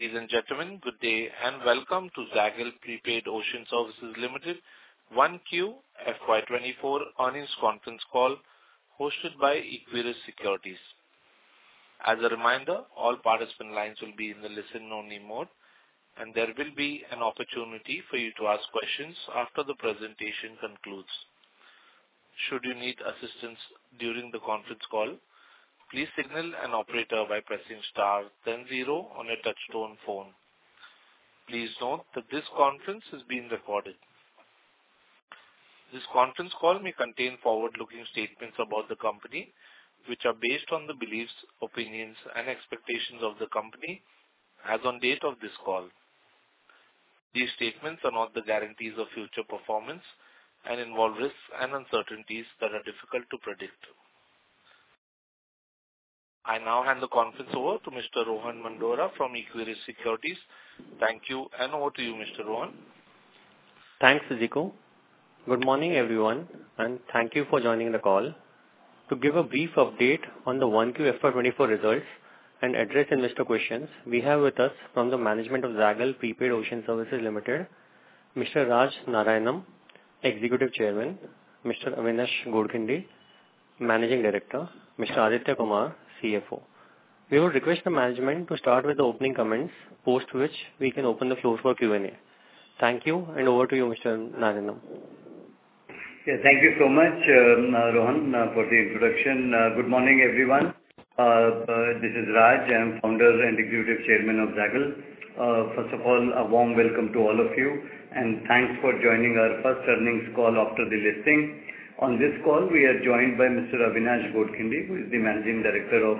Ladies and gentlemen, good day, and welcome to Zaggle Prepaid Ocean Services Ltd Q1 FY24 earnings conference call, hosted by Equirus Securities. As a reminder, all participant lines will be in the listen-only mode, and there will be an opportunity for you to ask questions after the presentation concludes. Should you need assistance during the conference call, please signal an operator by pressing star then zero on a touchtone phone. Please note that this conference is being recorded. This conference call may contain forward-looking statements about the company, which are based on the beliefs, opinions, and expectations of the company as on date of this call. These statements are not the guarantees of future performance and involve risks and uncertainties that are difficult to predict. I now hand the conference over to Mr. Rohan Mandora from Equirus Securities. Thank you, and over to you, Mr. Rohan. Thanks, Sjiku. Good morning, everyone, and thank you for joining the call. To give a brief update on the 1Q FY 2024 results and address investor questions, we have with us from the management of Zaggle Prepaid Ocean Services Ltd, Mr. Raj Narayanam, Executive Chairman, Mr. Avinash Godkhindi, Managing Director, Mr. Aditya Kumar, CFO. We would request the management to start with the opening comments, post which we can open the floor for Q&A. Thank you, and over to you, Mr. Narayanam. Yeah, thank you so much, Rohan, for the introduction. Good morning, everyone. This is Raj. I'm Founder and Executive Chairman of Zaggle. First of all, a warm welcome to all of you, and thanks for joining our first earnings call after the listing. On this call, we are joined by Mr. Avinash Godkhindi, who is the Managing Director of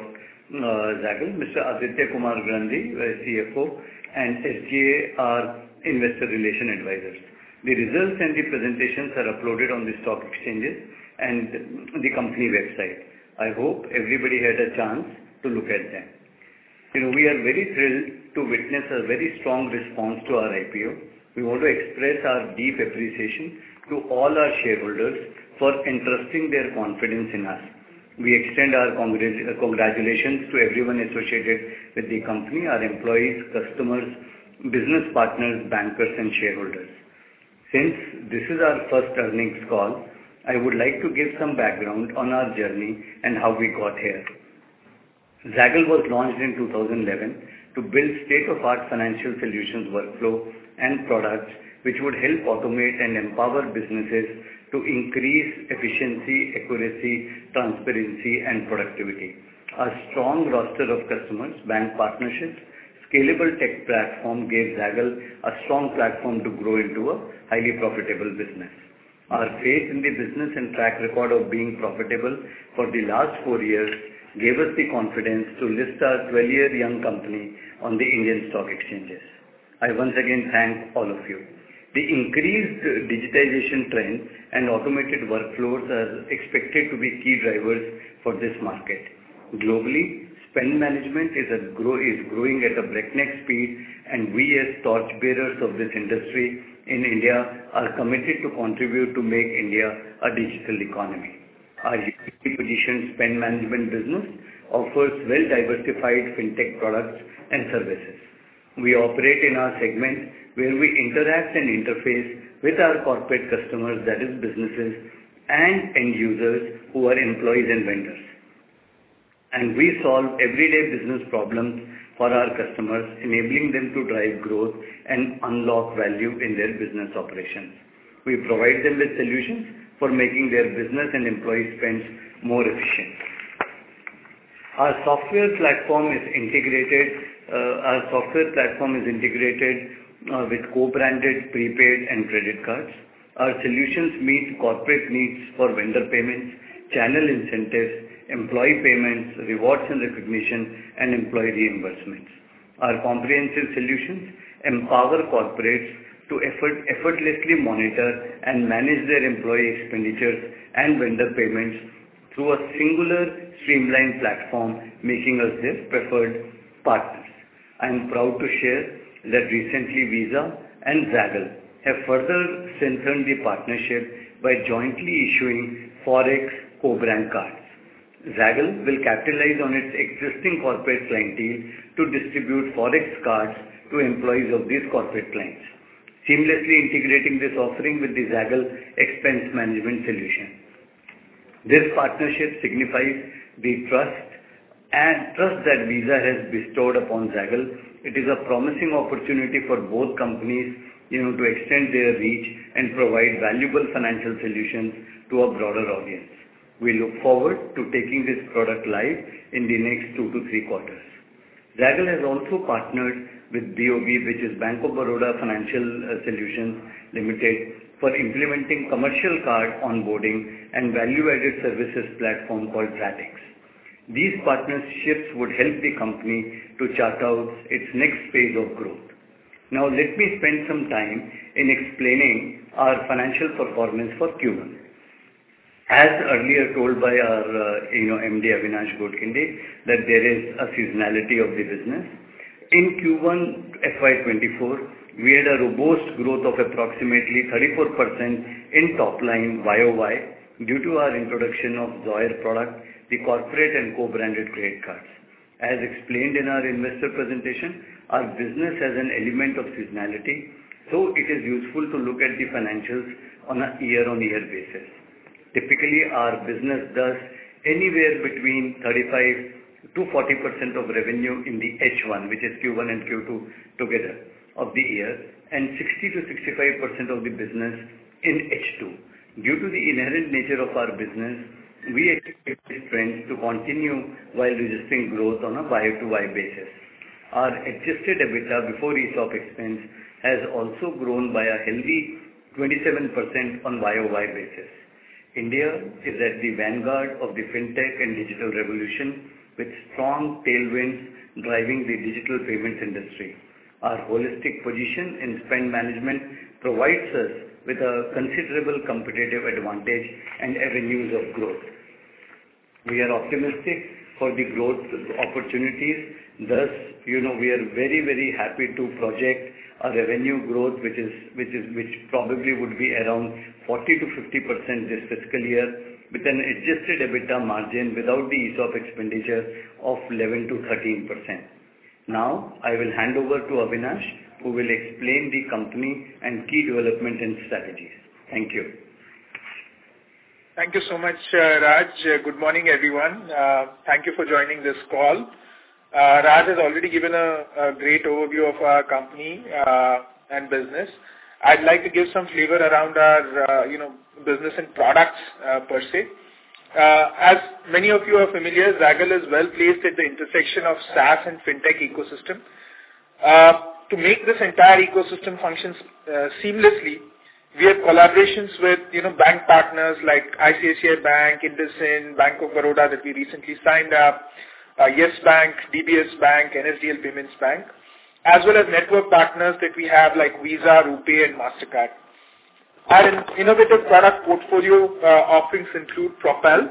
Zaggle, Mr. Aditya Kumar Grandhi, CFO, and SGA, Investor Relations Advisors. The results and the presentations are uploaded on the stock exchanges and the company website. I hope everybody had a chance to look at them. You know, we are very thrilled to witness a very strong response to our IPO. We want to express our deep appreciation to all our shareholders for entrusting their confidence in us. We extend our congratulations to everyone associated with the company, our employees, customers, business partners, bankers, and shareholders. Since this is our first earnings call, I would like to give some background on our journey and how we got here. Zaggle was launched in 2011 to build state-of-the-art financial solutions workflow and products, which would help automate and empower businesses to increase efficiency, accuracy, transparency, and productivity. Our strong roster of customers, bank partnerships, scalable tech platform, gave Zaggle a strong platform to grow into a highly profitable business. Our faith in the business and track record of being profitable for the last 4 years gave us the confidence to list our 12-year young company on the Indian stock exchanges. I once again thank all of you. The increased digitization trends and automated workflows are expected to be key drivers for this market. Globally, spend management is growing at a breakneck speed, and we, as torchbearers of this industry in India, are committed to contribute to make India a digital economy. Our uniquely positioned spend management business offers well-diversified fintech products and services. We operate in our segment, where we interact and interface with our corporate customers, that is, businesses and end users who are employees and vendors. We solve everyday business problems for our customers, enabling them to drive growth and unlock value in their business operations. We provide them with solutions for making their business and employee spends more efficient. Our software platform is integrated with co-branded prepaid and credit cards. Our solutions meet corporate needs for vendor payments, channel incentives, employee payments, rewards and recognition, and employee reimbursements. Our comprehensive solutions empower corporates to effortlessly monitor and manage their employee expenditures and vendor payments through a singular streamlined platform, making us their preferred partners. I'm proud to share that recently, Visa and Zaggle have further strengthened the partnership by jointly issuing Forex co-brand cards. Zaggle will capitalize on its existing corporate clientele to distribute Forex cards to employees of these corporate clients, seamlessly integrating this offering with the Zaggle Expense Management solution. This partnership signifies the trust, and trust that Visa has bestowed upon Zaggle. It is a promising opportunity for both companies, you know, to extend their reach and provide valuable financial solutions to a broader audience. We look forward to taking this product live in the next two to three quarters. Zaggle has also partnered with BoB, which is Bank of Baroda Financial Solutions Limited, for implementing commercial card onboarding and value-added services platform called ZatiX. These partnerships would help the company to chart out its next phase of growth. Now, let me spend some time in explaining our financial performance for Q1. As earlier told by our, you know, MD, Avinash Godkhindi, that there is a seasonality of the business. In Q1 FY 2024, we had a robust growth of approximately 34% in top line YOY, due to our introduction of Zoyer product, the corporate and co-branded credit cards. As explained in our investor presentation, our business has an element of seasonality, so it is useful to look at the financials on a year-on-year basis. Typically, our business does anywhere between 35% to 40% of revenue in the H1, which is Q1 and Q2 together of the year, and 60% to 65% of the business in H2. Due to the inherent nature of our business, we expect this trend to continue while registering growth on a Y2Y basis. Our adjusted EBITDA before ESOP expense has also grown by a healthy 27% on YOY basis. India is at the vanguard of the Fintech and digital revolution, with strong tailwinds driving the digital payments industry. Our holistic position in spend management provides us with a considerable competitive advantage and avenues of growth. We are optimistic for the growth opportunities, thus, you know, we are very, very happy to project our revenue growth, which probably would be around 40% to 50% this fiscal year, with an adjusted EBITDA margin without the ESOP expenditure of 11% to 13%. Now, I will hand over to Avinash, who will explain the company and key developments and strategies. Thank you. Thank you so much, Raj. Good morning, everyone. Thank you for joining this call. Raj has already given a great overview of our company, and business. I'd like to give some flavor around our, you know, business and products, per se. As many of you are familiar, Zaggle is well-placed at the intersection of SaaS and Fintech ecosystem. To make this entire ecosystem functions, seamlessly, we have collaborations with, you know, bank partners like ICICI Bank, IndusInd, Bank of Baroda, that we recently signed up, Yes Bank, DBS Bank, NSDL Payments Bank. As well as network partners that we have, like Visa, RuPay, and Mastercard. Our innovative product portfolio, offerings include Propel,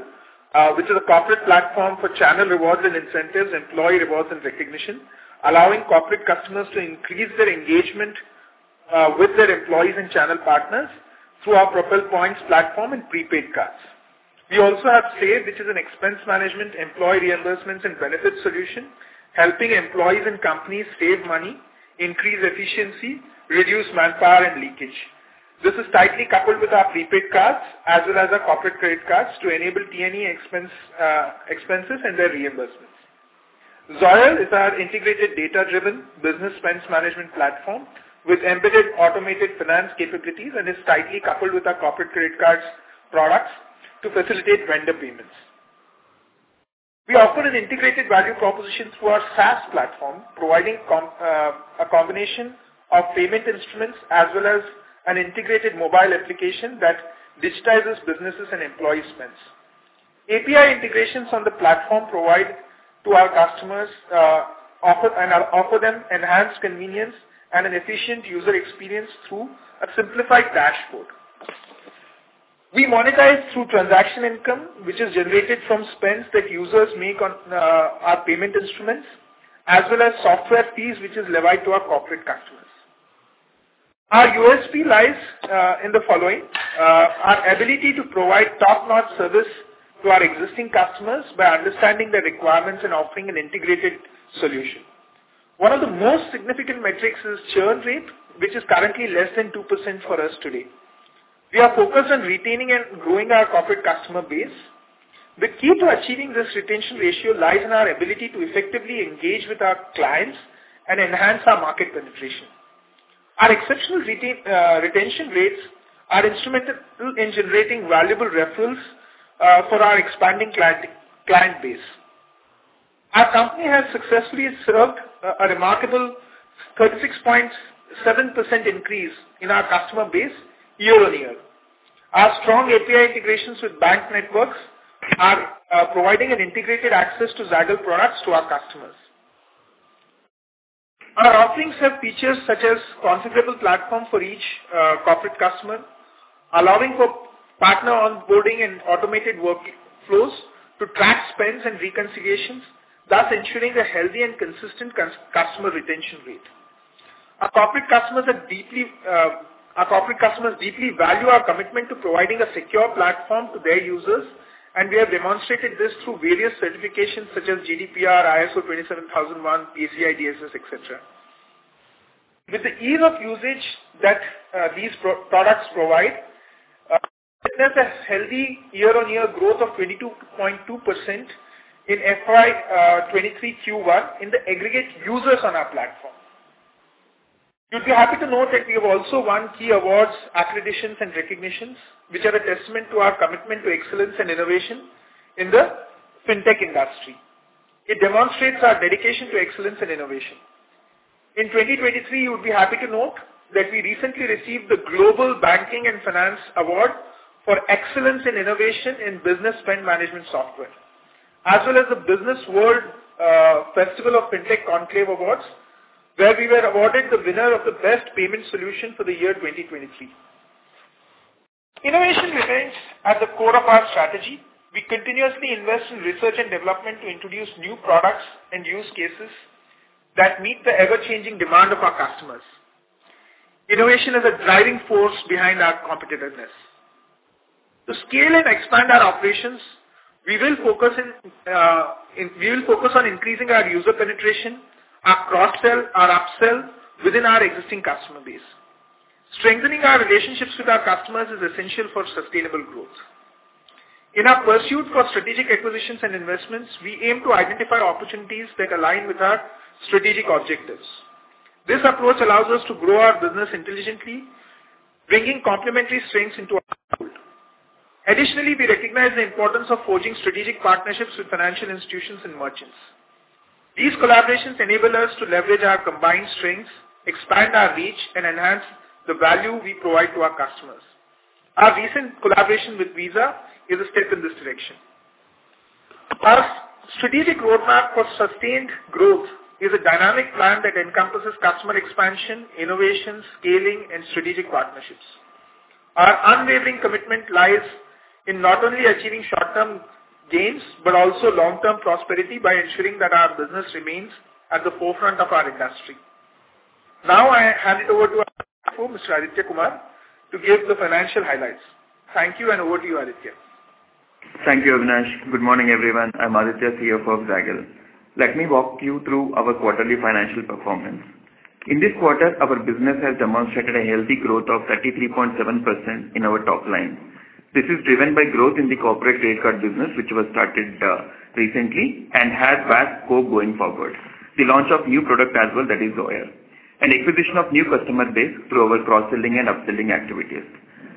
which is a corporate platform for channel rewards and incentives, employee rewards and recognition, allowing corporate customers to increase their engagement, with their employees and channel partners through our Propel points platform and prepaid cards. We also have Save, which is an expense management, employee reimbursements and benefits solution, helping employees and companies save money, increase efficiency, reduce manpower and leakage. This is tightly coupled with our prepaid cards as well as our corporate credit cards to enable T&E expenses and their reimbursements. Zoyer is our integrated, data-driven business spend management platform, with embedded automated finance capabilities and is tightly coupled with our corporate credit card products to facilitate vendor payments. We offer an integrated value proposition through our SaaS platform, providing a combination of payment instruments, as well as an integrated mobile application that digitizes businesses and employee spends. API integrations on the platform provide to our customers, offer them enhanced convenience and an efficient user experience through a simplified dashboard. We monetize through transaction income, which is generated from spends that users make on our payment instruments, as well as software fees, which is levied to our corporate customers. Our USP lies in the following: our ability to provide top-notch service to our existing customers by understanding their requirements and offering an integrated solution. One of the most significant metrics is churn rate, which is currently less than 2% for us today. We are focused on retaining and growing our corporate customer base. The key to achieving this retention ratio lies in our ability to effectively engage with our clients and enhance our market penetration. Our exceptional retention rates are instrumental in generating valuable referrals for our expanding client base. Our company has successfully served a remarkable 36.7% increase in our customer base year-on-year. Our strong API integrations with bank networks are providing an integrated access to Zaggle products to our customers. Our offerings have features such as configurable platform for each corporate customer, allowing for partner onboarding and automated workflows to track spends and reconciliations, thus ensuring a healthy and consistent customer retention rate. Our corporate customers deeply value our commitment to providing a secure platform to their users, and we have demonstrated this through various certifications such as GDPR, ISO 27001, PCI DSS, et cetera. With the ease of usage that these products provide, business has healthy year-on-year growth of 22.2% in FY 2023 Q1 in the aggregate users on our platform. You'll be happy to know that we have also won key awards, accreditations, and recognitions, which are a testament to our commitment to excellence and innovation in the Fintech industry. It demonstrates our dedication to excellence and innovation. In 2023, you would be happy to note that we recently received the Global Banking and Finance Award for excellence in innovation in business spend management software, as well as the Business World Festival of Fintech Conclave Awards, where we were awarded the winner of the Best Payment Solution for the year 2023. Innovation remains at the core of our strategy. We continuously invest in research and development to introduce new products and use cases that meet the ever-changing demand of our customers. Innovation is a driving force behind our competitiveness. To scale and expand our operations, we will focus on increasing our user penetration, our cross-sell, our up-sell within our existing customer base. Strengthening our relationships with our customers is essential for sustainable growth. In our pursuit for strategic acquisitions and investments, we aim to identify opportunities that align with our strategic objectives. This approach allows us to grow our business intelligently, bringing complementary strengths into our world. Additionally, we recognize the importance of forging strategic partnerships with financial institutions and merchants. These collaborations enable us to leverage our combined strengths, expand our reach, and enhance the value we provide to our customers. Our recent collaboration with Visa is a step in this direction. Our strategic roadmap for sustained growth is a dynamic plan that encompasses customer expansion, innovation, scaling, and strategic partnerships. Our unwavering commitment lies in not only achieving short-term gains, but also long-term prosperity by ensuring that our business remains at the forefront of our industry. Now, I hand it over to our CFO, Mr. Aditya Kumar, to give the financial highlights. Thank you, and over to you, Aditya. Thank you, Avinash. Good morning, everyone. I'm Aditya, CFO of Zaggle. Let me walk you through our quarterly financial performance. In this quarter, our business has demonstrated a healthy growth of 33.7% in our top line. This is driven by growth in the corporate rate card business, which was started recently and has vast scope going forward. The launch of new product as well, that is Zoyer, and acquisition of new customer base through our cross-selling and up-selling activities.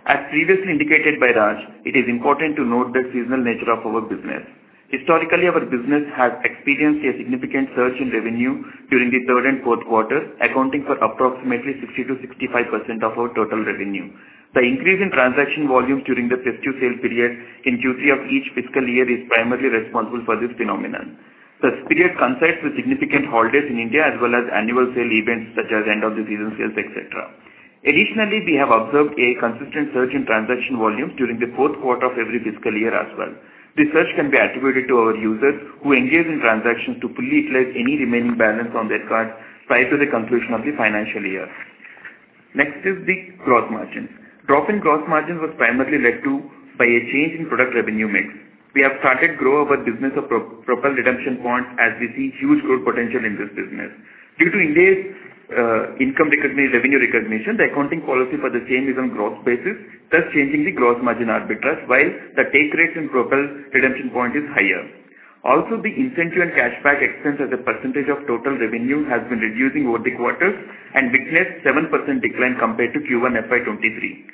As previously indicated by Raj, it is important to note the seasonal nature of our business. Historically, our business has experienced a significant surge in revenue during the third and fourth quarter, accounting for approximately 60%-65% of our total revenue. The increase in transaction volume during the festive sale period in Q3 of each fiscal year is primarily responsible for this phenomenon. The period coincides with significant holidays in India, as well as annual sale events, such as end of the season sales, et cetera. Additionally, we have observed a consistent surge in transaction volume during the fourth quarter of every fiscal year as well. This surge can be attributed to our users who engage in transactions to fully utilize any remaining balance on their card prior to the conclusion of the financial year. Next is the gross margin. Drop in gross margins was primarily led to by a change in product revenue mix. We have started grow our business of Propel redemption points, as we see huge growth potential in this business. Due to India's revenue recognition, the accounting policy for the same is on gross basis, thus changing the gross margin arbitrage, while the take rate in Propel redemption point is higher. Also, the incentive and cashback expense as a percentage of total revenue has been reducing over the quarters and witnessed 7% decline compared to Q1 FY 2023.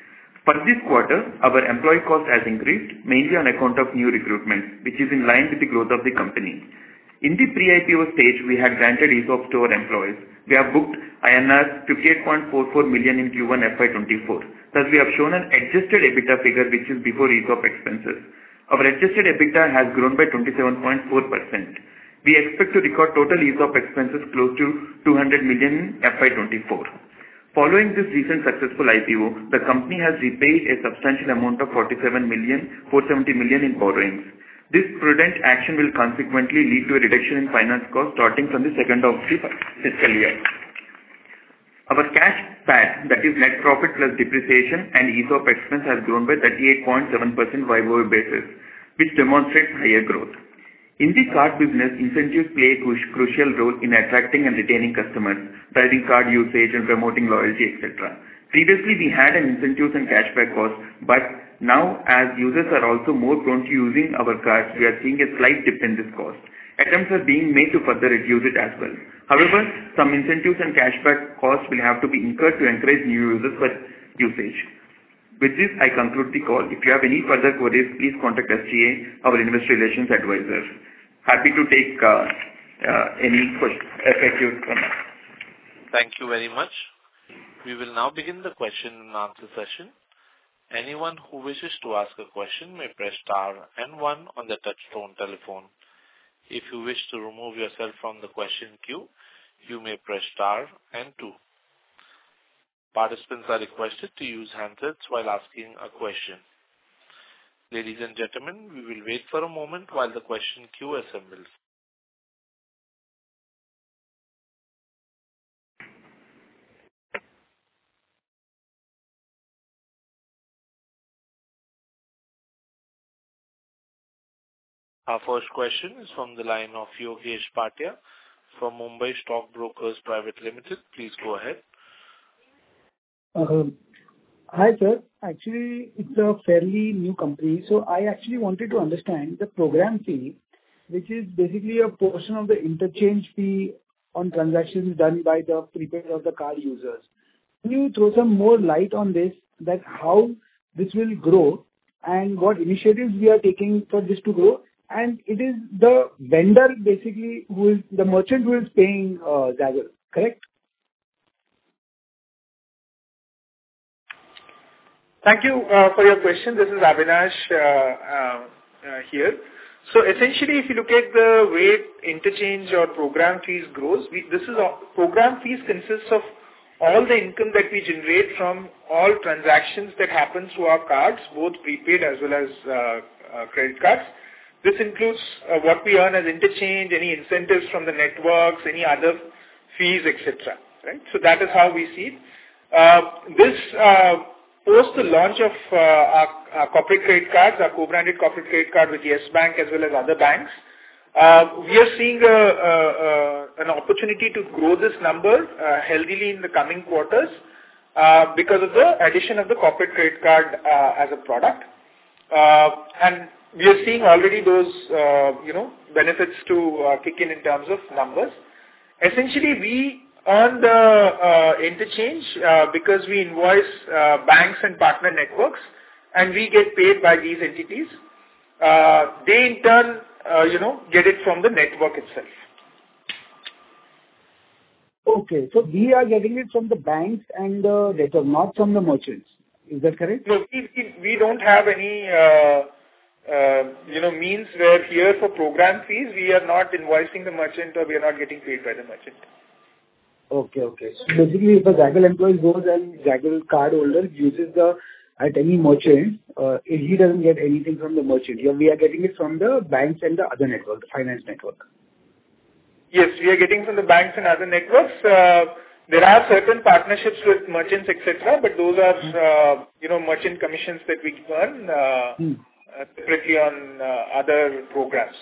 For this quarter, our employee cost has increased, mainly on account of new recruitment, which is in line with the growth of the company. In the pre-IPO stage, we had granted ESOP to our employees. We have booked INR 58.44 million in Q1 FY 2024, thus we have shown an adjusted EBITDA figure, which is before ESOP expenses. Our adjusted EBITDA has grown by 27.4%. We expect to record total ESOP expenses close to 200 million in FY 2024. Following this recent successful IPO, the company has repaid a substantial amount of 47 million, 470 million in borrowings. This prudent action will consequently lead to a reduction in finance costs, starting from the second half of the fiscal year. Our cash PAT, that is, net profit plus depreciation and ESOP expense, has grown by 38.7% Y-O-Y basis, which demonstrates higher growth. In the card business, incentives play a crucial role in attracting and retaining customers, driving card usage and promoting loyalty, et cetera. Previously, we had an incentives and cashback cost, but now, as users are also more prone to using our cards, we are seeing a slight dip in this cost. Attempts are being made to further reduce it as well. However, some incentives and cashback costs will have to be incurred to encourage new users for usage. With this, I conclude the call. If you have any further queries, please contact SGA, our investor relations advisors. Happy to take any questions. Thank you. Thank you very much. We will now begin the question and answer session. Anyone who wishes to ask a question may press star and one on the touchtone telephone. If you wish to remove yourself from the question queue, you may press star and two. Participants are requested to use handsets while asking a question. Ladies and gentlemen, we will wait for a moment while the question queue assembles. Our first question is from the line of Yogesh Patia from Mumbai Stock Brokers Private Ltd. Please go ahead. Hi, sir. Actually, it's a fairly new company, so I actually wanted to understand the program fee, which is basically a portion of the interchange fee on transactions done by the prepaid of the card users. Can you throw some more light on this, that how this will grow and what initiatives we are taking for this to grow? And it is the vendor, basically, who is the merchant who is paying Zaggle, correct? Thank you for your question. This is Avinash here. Essentially, if you look at the way interchange or program fees grows, we—this is our—program fees consists of all the income that we generate from all transactions that happen through our cards, both prepaid as well as credit cards. This includes what we earn as interchange, any incentives from the networks, any other fees, et cetera, right? That is how we see it. Post the launch of our corporate credit cards, our co-branded corporate credit card with Yes Bank, as well as other banks, we are seeing an opportunity to grow this number healthily in the coming quarters because of the addition of the corporate credit card as a product. We are seeing already those, you know, benefits to kick in, in terms of numbers. Essentially, we earn the interchange, because we invoice banks and partner networks, and we get paid by these entities. They in turn, you know, get it from the network itself. Okay. So we are getting it from the banks and, later, not from the merchants. Is that correct? No, we don't have any, you know, means where here for program fees. We are not invoicing the merchant, or we are not getting paid by the merchant. Okay, okay. Basically, if a Zaggle employee goes and Zaggle cardholder uses the, at any merchant, he doesn't get anything from the merchant. Here, we are getting it from the banks and the other network, the finance network. Yes, we are getting from the banks and other networks. There are certain partnerships with merchants, et cetera, but those are- Mm. you know, merchant commissions that we earn, Mm. Separately on other programs.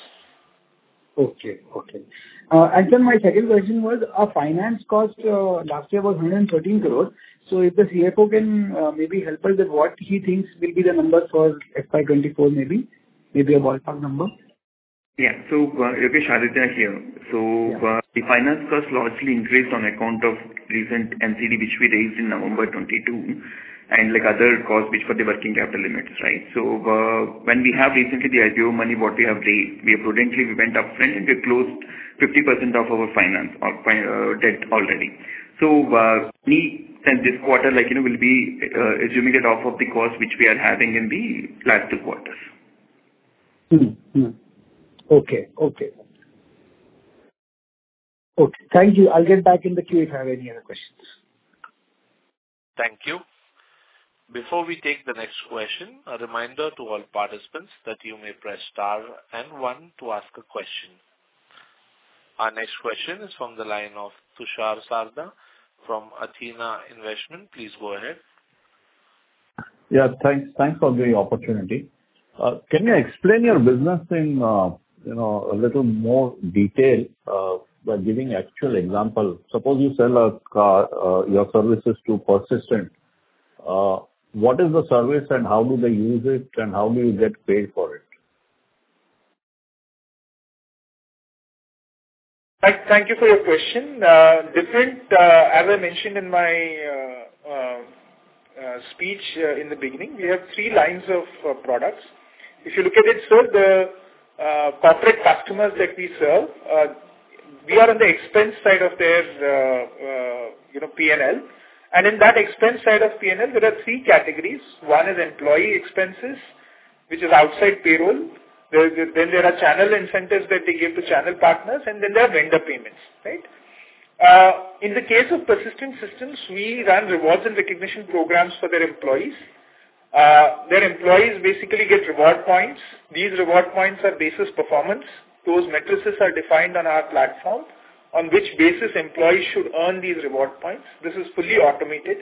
Okay, okay. And then my second question was, our finance cost last year was 113 crore. So if the CFO can maybe help us with what he thinks will be the number for FY 2024, maybe? Maybe a ballpark number. Yeah. So, Yokesh Harita here. Yeah. So, the finance cost largely increased on account of recent NCD, which we raised in November 2022, and like other costs, which were the working capital limits, right? So, when we have recently the IPO money, what we have raised, we prudently we went upfront, and we closed 50% of our finance or debt already. So, we, in this quarter, like, you know, will be assuming it off of the cost, which we are having in the last two quarters. Okay, okay. Okay, thank you. I'll get back in the queue if I have any other questions. Thank you. Before we take the next question, a reminder to all participants that you may press star and one to ask a question. Our next question is from the line of Tushar Sarda from Athena Investments. Please go ahead. Yeah, thanks. Thanks for the opportunity. Can you explain your business in, you know, a little more detail, by giving actual example? Suppose you sell a car, your services to Persistent, what is the service and how do they use it, and how do you get paid for it? Thank you for your question. As I mentioned in my speech in the beginning, we have three lines of products. If you look at it, so the corporate customers that we serve, we are on the expense side of their, you know, P&L. And in that expense side of P&L, there are three categories. One is employee expenses, which is outside payroll. Then there are channel incentives that they give to channel partners, and then there are vendor payments, right? In the case of Persistent Systems, we run rewards and recognition programs for their employees. Their employees basically get reward points. These reward points are basis performance. Those matrices are defined on our platform, on which basis employees should earn these reward points. This is fully automated,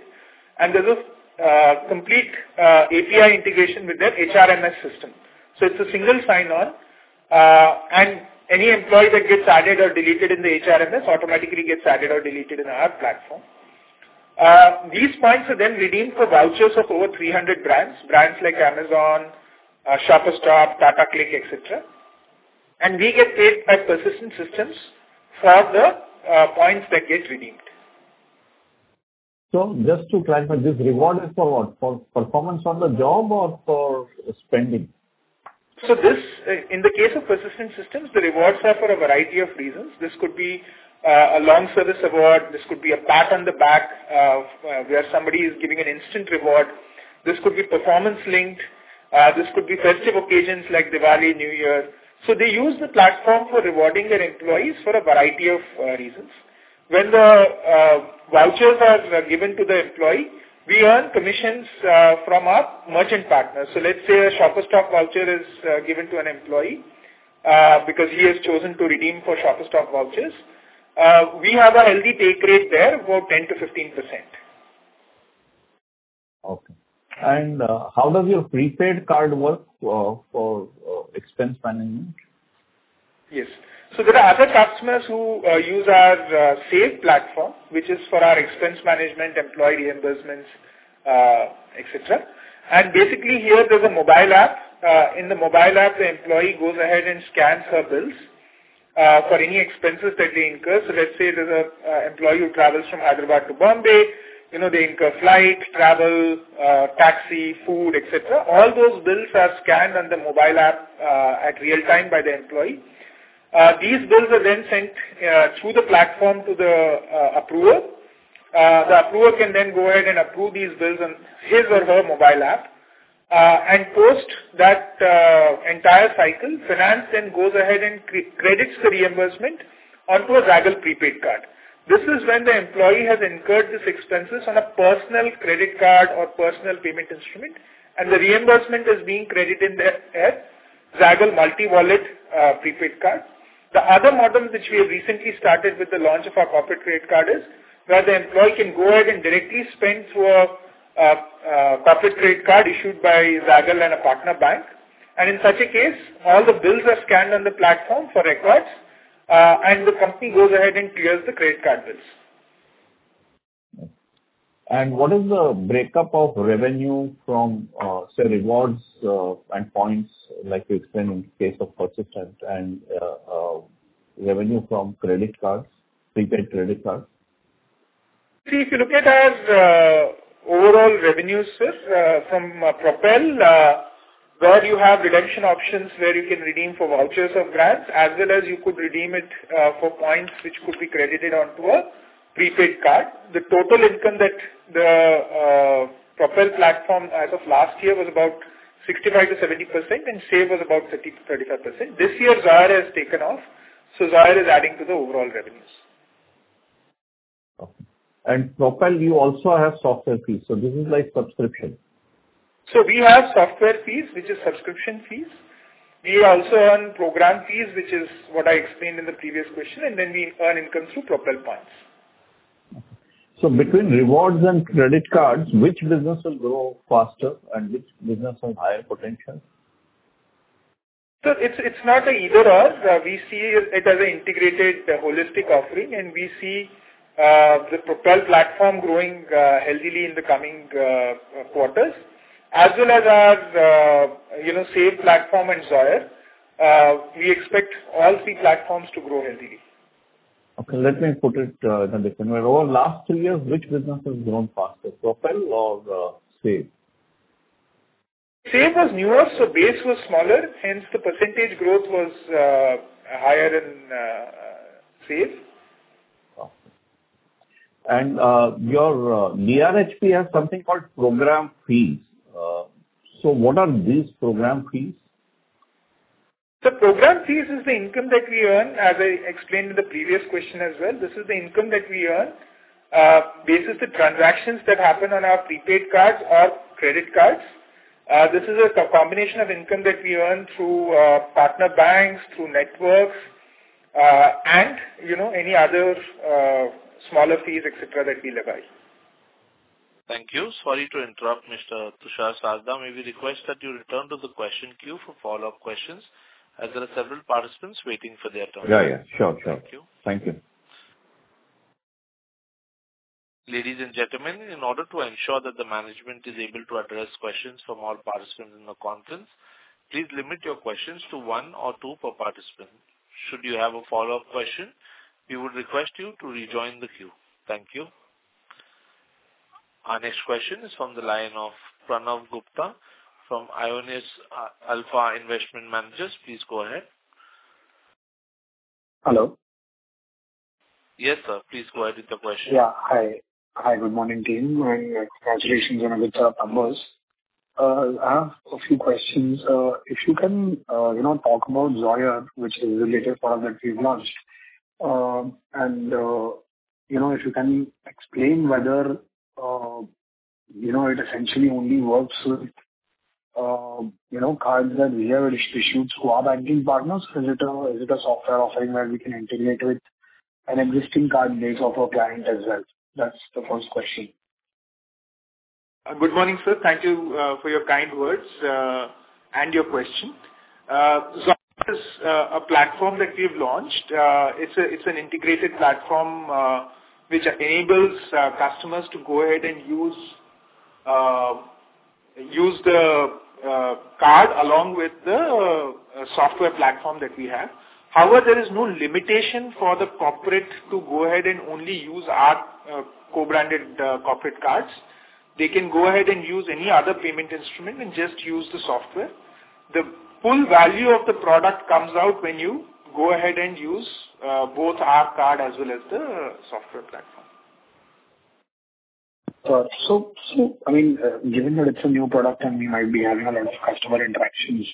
and there's a complete API integration with their HRMS system. So it's a single sign-on, and any employee that gets added or deleted in the HRMS automatically gets added or deleted in our platform. These points are then redeemed for vouchers of over 300 brands, brands like Amazon, Shoppers Stop, Tata CLiQ, et cetera. And we get paid by Persistent Systems for the points that gets redeemed. So just to clarify, this reward is for what? For performance on the job or for spending? So this, in the case of Persistent Systems, the rewards are for a variety of reasons. This could be a long service award, this could be a pat on the back, where somebody is giving an instant reward. This could be performance-linked, this could be festive occasions like Diwali, New Year. So they use the platform for rewarding their employees for a variety of reasons. When the vouchers are given to the employee, we earn commissions from our merchant partners. So let's say a Shoppers Stop voucher is given to an employee, because he has chosen to redeem for Shoppers Stop vouchers, we have a healthy take rate there, about 10% to 15%. Okay. And, how does your prepaid card work for expense management? Yes. So there are other customers who use our Save platform, which is for our expense management, employee reimbursements, et cetera. And basically here, there's a mobile app. In the mobile app, the employee goes ahead and scans her bills for any expenses that they incur. So let's say there's a employee who travels from Hyderabad to Bombay, you know, they incur flight, travel, taxi, food, et cetera. All those bills are scanned on the mobile app at real-time by the employee. These bills are then sent through the platform to the approver. The approver can then go ahead and approve these bills on his or her mobile app. And post that, entire cycle, finance then goes ahead and credits the reimbursement onto a Zaggle prepaid card. This is when the employee has incurred these expenses on a personal credit card or personal payment instrument, and the reimbursement is being credited there at Zaggle Multi-Wallet prepaid card. The other model, which we have recently started with the launch of our corporate credit card, is where the employee can go ahead and directly spend through a corporate credit card issued by Zaggle and a partner bank. And in such a case, all the bills are scanned on the platform for records, and the company goes ahead and clears the credit card bills. What is the breakup of revenue from, say, rewards and points, like you explained in the case of Persistent, and revenue from credit cards, prepaid credit cards? See, if you look at our overall revenues, sir, from Propel, where you have redemption options, where you can redeem for vouchers or grants, as well as you could redeem it for points which could be credited onto a prepaid card. The total income that the Propel platform as of last year was about 65% to 70%, and Save was about 30% to 35%. This year, Zoyer has taken off, so Zoyer is adding to the overall revenues. Okay. Propel, you also have software fees, so this is like subscription. So we have software fees, which is subscription fees. We also earn program fees, which is what I explained in the previous question, and then we earn income through Propel points. Between rewards and credit cards, which business will grow faster and which business has higher potential? So it's, it's not an either/or. We see it as an integrated, holistic offering, and we see the Propel platform growing healthily in the coming quarters. As well as our, you know, Save platform and Zoyer. We expect all three platforms to grow healthily. Okay, let me put it in a different way. Over last two years, which business has grown faster, Propel or Save? Save was newer, so base was smaller, hence, the percentage growth was higher in Save. Okay. And, your NHP has something called program fees. So what are these program fees? The program fees is the income that we earn, as I explained in the previous question as well. This is the income that we earn, based on the transactions that happen on our prepaid cards or credit cards. This is a combination of income that we earn through partner banks, through networks, and, you know, any other smaller fees, et cetera, that we levy. Thank you. Sorry to interrupt, Mr. Tushar Sarda. May we request that you return to the question queue for follow-up questions, as there are several participants waiting for their turn. Yeah, yeah. Sure, sure. Thank you. Thank you. Ladies and gentlemen, in order to ensure that the management is able to address questions from all participants in the conference, please limit your questions to one or two per participant. Should you have a follow-up question, we would request you to rejoin the queue. Thank you. Our next question is from the line of Pranav Gupta from Aionios Alpha Investment Management. Please go ahead. Hello? Yes, sir. Please go ahead with your question. Yeah. Hi. Hi, good morning, team, and congratulations on the good numbers. I have a few questions. If you can, you know, talk about Zoyer, which is a related product you've launched. And, you know, if you can explain whether, you know, it essentially only works with, you know, cards that we have issued through our banking partners? Is it a software offering where we can integrate with an existing card base of our client as well? That's the first question. Good morning, sir. Thank you, for your kind words, and your question. Zoyer is, a platform that we've launched. It's a, it's an integrated platform, which enables, customers to go ahead and use, use the, card along with the, software platform that we have. However, there is no limitation for the corporate to go ahead and only use our, co-branded, corporate cards. They can go ahead and use any other payment instrument and just use the software. The full value of the product comes out when you go ahead and use, both our card as well as the software platform. So, I mean, given that it's a new product and you might be having a lot of customer interactions,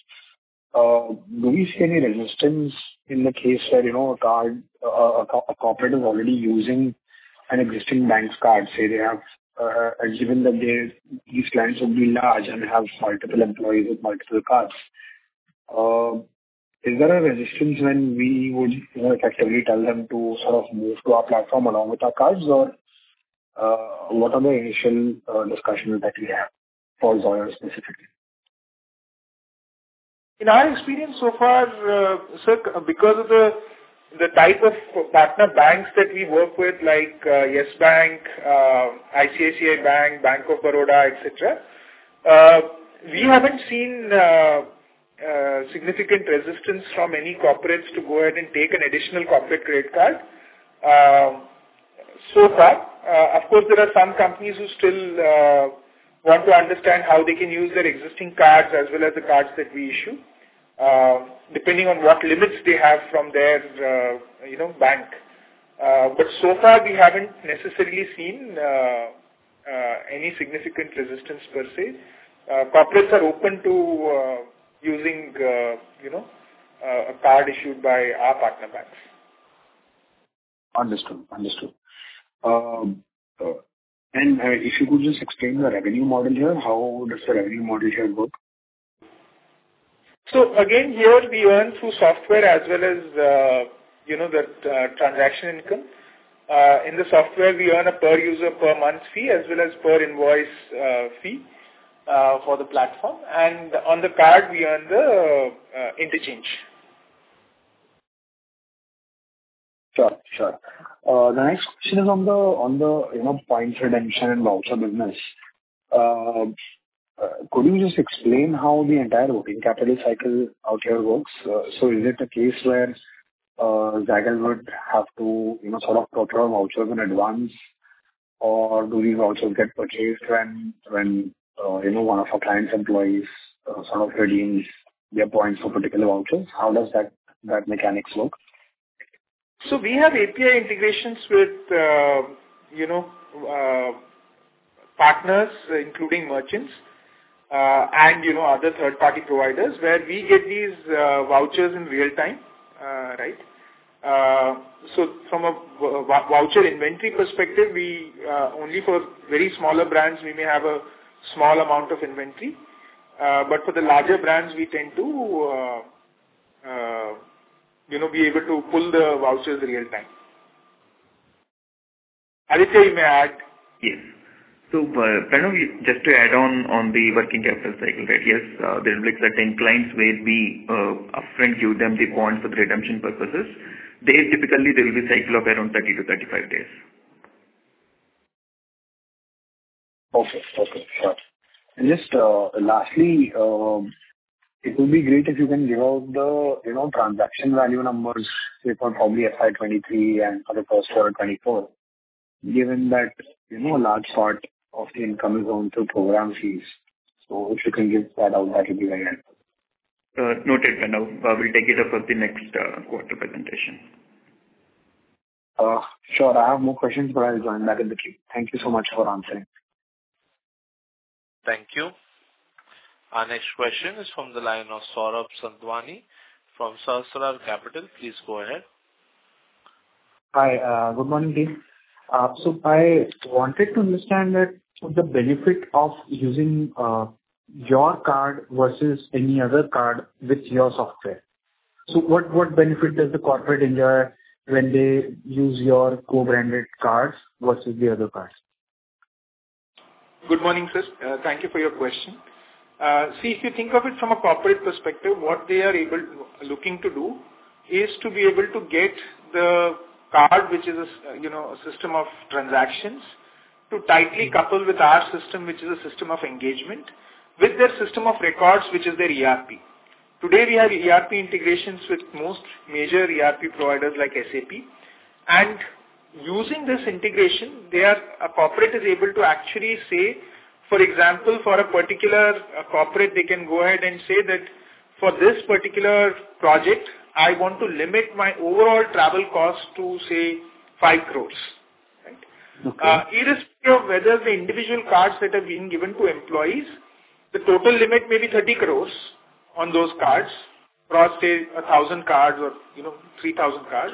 do we see any resistance in the case where, you know, a card, a corporate is already using an existing bank's card? Say, they have, and given that they... These clients will be large and have multiple employees with multiple cards. Is there a resistance when we would effectively tell them to sort of move to our platform along with our cards, or, what are the initial discussions that we have for Zoyer specifically? In our experience so far, sir, because of the type of partner banks that we work with, like Yes Bank, ICICI Bank, Bank of Baroda, et cetera, we haven't seen significant resistance from any corporates to go ahead and take an additional corporate credit card, so far. Of course, there are some companies who still want to understand how they can use their existing cards as well as the cards that we issue, depending on what limits they have from their, you know, bank. But so far, we haven't necessarily seen any significant resistance per se. Corporates are open to using, you know, a card issued by our partner banks. Understood. Understood. If you could just explain the revenue model here, how does the revenue model here work? So again, here we earn through software as well as, you know, that, transaction income. In the software, we earn a per user per month fee as well as per invoice fee for the platform, and on the card, we earn the interchange. Sure, sure. The next question is on the, you know, points redemption and voucher business. Could you just explain how the entire working capital cycle out here works? So is it a case where Zaggle would have to, you know, sort of procure vouchers in advance? Or do these vouchers get purchased when one of our clients' employees sort of redeems their points for particular vouchers? How does that mechanics look? So we have API integrations with, you know, partners, including merchants, and, you know, other third-party providers, where we get these vouchers in real time, right? So from a voucher inventory perspective, we only for very smaller brands, we may have a small amount of inventory, but for the larger brands, we tend to, you know, be able to pull the vouchers real time. Aditya, you may add. Yes. So, Pranav, just to add on, on the working capital cycle, right? Yes, there will be certain clients where we, upfront give them the points of redemption purposes. They typically, there will be cycle of around 30 to 35 days. Okay. Okay, sure. And just, lastly, it would be great if you can give out the, you know, transaction value numbers, say, for probably FY 2023 and for the first quarter of 2024, given that, you know, a large part of the income is going through program fees. So if you can give that out, that will be very helpful. Noted, Pranav. We'll take it up at the next quarter presentation. Sure. I have more questions, but I'll join back in the queue. Thank you so much for answering. Thank you. Our next question is from the line of Saurabh Sadhwani from Sahasrar Capital. Please go ahead. Hi, good morning again. So I wanted to understand that the benefit of using, your card versus any other card with your software. So what, what benefit does the corporate enjoy when they use your co-branded cards versus the other cards? Good morning, sir. Thank you for your question. See, if you think of it from a corporate perspective, what they are looking to do is to be able to get the card, which is a you know, a system of transactions, to tightly couple with our system, which is a system of engagement, with their system of records, which is their ERP. Today, we have ERP integrations with most major ERP providers like SAP. And using this integration, a corporate is able to actually say, for example, for a particular corporate, they can go ahead and say that, "For this particular project, I want to limit my overall travel cost to, say, 5 crore." Right? Okay. Irrespective of whether the individual cards that have been given to employees, the total limit may be 30 crore on those cards, across, say, 1,000 cards or, you know, 3,000 cards,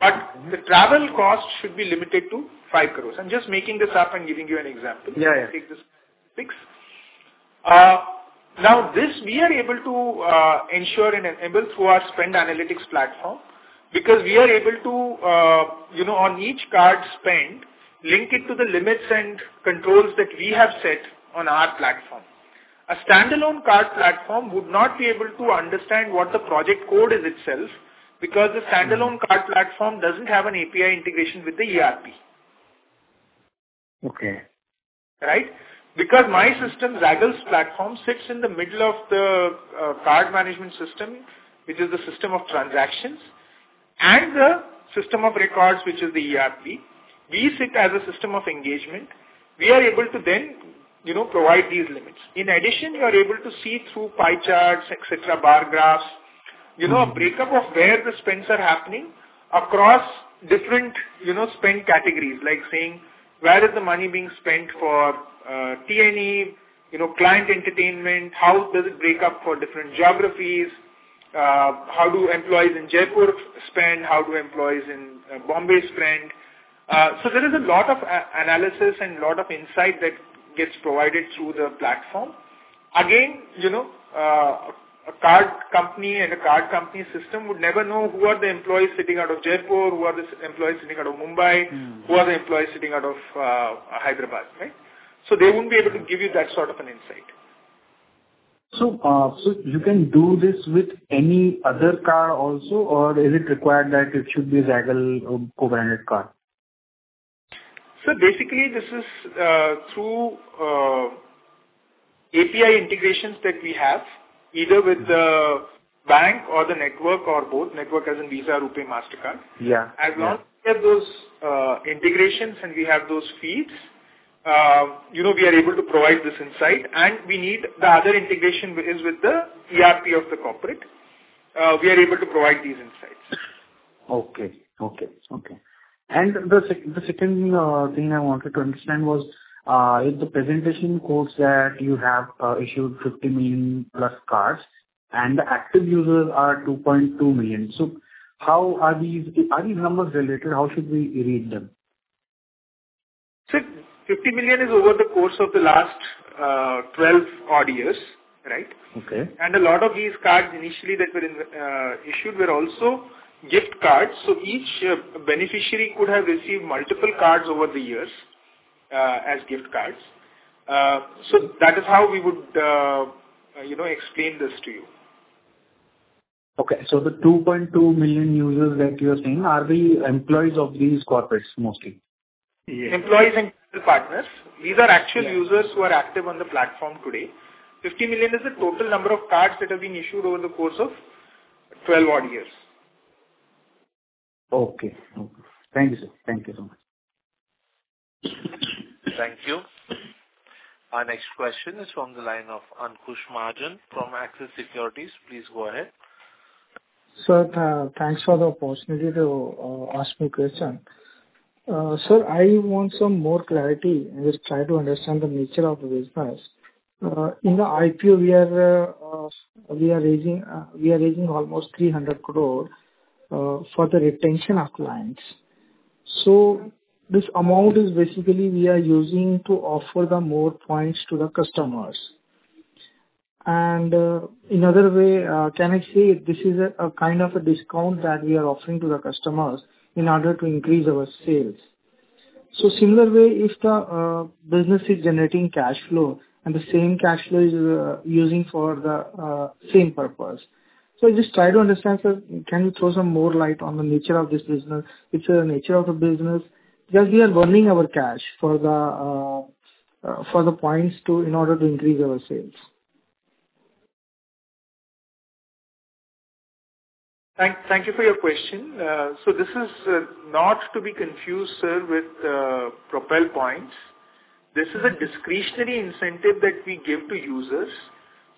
but the travel cost should be limited to 5 crore. I'm just making this up and giving you an example. Yeah, yeah. Take this fix. Now, this, we are able to ensure and enable through our spend analytics platform, because we are able to, you know, on each card spend, link it to the limits and controls that we have set on our platform. A standalone card platform would not be able to understand what the project code is itself, because the standalone card platform doesn't have an API integration with the ERP. Okay. Right? Because my system, Zaggle's platform, sits in the middle of the card management system, which is the system of transactions, and the system of records, which is the ERP. We sit as a system of engagement. We are able to then, you know, provide these limits. In addition, we are able to see through pie charts, et cetera, bar graphs, you know, a breakup of where the spends are happening across different, you know, spend categories, like saying: Where is the money being spent for T&E, you know, client entertainment? How does it break up for different geographies? How do employees in Jaipur spend? How do employees in Bombay spend? So there is a lot of analysis and lot of insight that gets provided through the platform. Again, you know, a card company and a card company system would never know who are the employees sitting out of Jaipur, who are the employees sitting out of Mumbai- Mm-hmm. who are the employees sitting out of, Hyderabad, right? So they wouldn't be able to give you that sort of an insight. So, you can do this with any other card also, or is it required that it should be Zaggle co-branded card? Basically, this is through API integrations that we have, either with the bank or the network or both. Network as in Visa, RuPay, Mastercard. Yeah, yeah. As long as we have those integrations and we have those feeds, you know, we are able to provide this insight, and we need the other integration, which is with the ERP of the corporate, we are able to provide these insights.... Okay, okay, okay. And the second thing I wanted to understand was, in the presentation quotes that you have, issued 50 million+ cards, and the active users are 2.2 million. So how are these...? Are these numbers related? How should we read them? Sir, 50 million is over the course of the last 12 odd years, right? Okay. A lot of these cards initially that were issued were also gift cards, so each beneficiary could have received multiple cards over the years as gift cards. So that is how we would, you know, explain this to you. Okay, so the 2.2 million users that you're saying, are the employees of these corporates, mostly? Yeah. Employees and partners. These are actual users who are active on the platform today. 50 million is the total number of cards that have been issued over the course of 12 odd years. Okay. Okay. Thank you, sir. Thank you so much. Thank you. Our next question is from the line of Ankush Mahajan from Axis Securities. Please go ahead. Sir, thanks for the opportunity to ask my question. Sir, I want some more clarity. Just try to understand the nature of the business. In the IPO, we are raising almost 300 crore for the retention of clients. So this amount is basically we are using to offer the more points to the customers. And, in other way, can I say this is a kind of a discount that we are offering to the customers in order to increase our sales? So similar way, if the business is generating cash flow and the same cash flow is using for the same purpose. So just try to understand, sir, can you throw some more light on the nature of this business, which is the nature of the business? Because we are burning our cash for the, for the points to, in order to increase our sales. Thank you for your question. So this is not to be confused, sir, with Propel points. This is a discretionary incentive that we give to users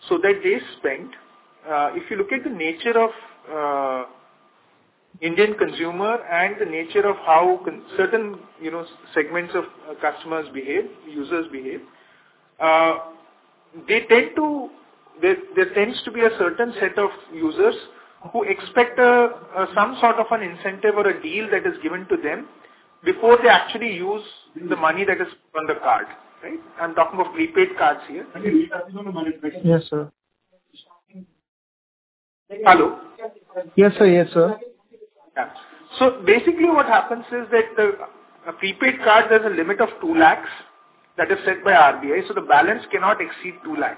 so that they spend. If you look at the nature of Indian consumer and the nature of how certain, you know, segments of customers behave, users behave, they tend to... There tends to be a certain set of users who expect some sort of an incentive or a deal that is given to them before they actually use the money that is on the card, right? I'm talking about prepaid cards here. Yes, sir. Hello? Yes, sir. Yes, sir. Yeah. Basically, what happens is that a prepaid card, there's a limit of 200,000 that is set by RBI, so the balance cannot exceed 200,000.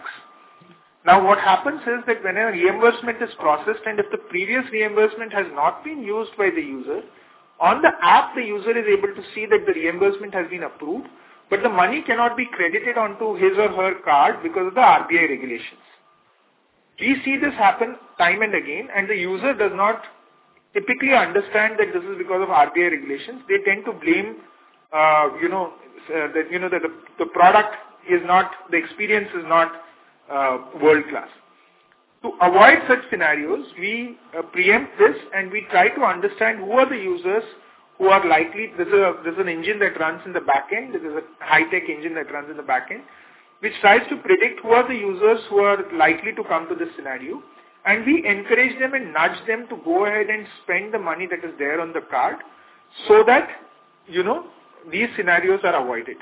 Now, what happens is that whenever reimbursement is processed, and if the previous reimbursement has not been used by the user, on the app, the user is able to see that the reimbursement has been approved, but the money cannot be credited onto his or her card because of the RBI regulations. We see this happen time and again, and the user does not typically understand that this is because of RBI regulations. They tend to blame, you know, that, you know, that the product is not, the experience is not, world-class. To avoid such scenarios, we preempt this, and we try to understand who are the users who are likely... There's an engine that runs in the back end, there's a high-tech engine that runs in the back end, which tries to predict who are the users who are likely to come to this scenario. We encourage them and nudge them to go ahead and spend the money that is there on the card, so that, you know, these scenarios are avoided.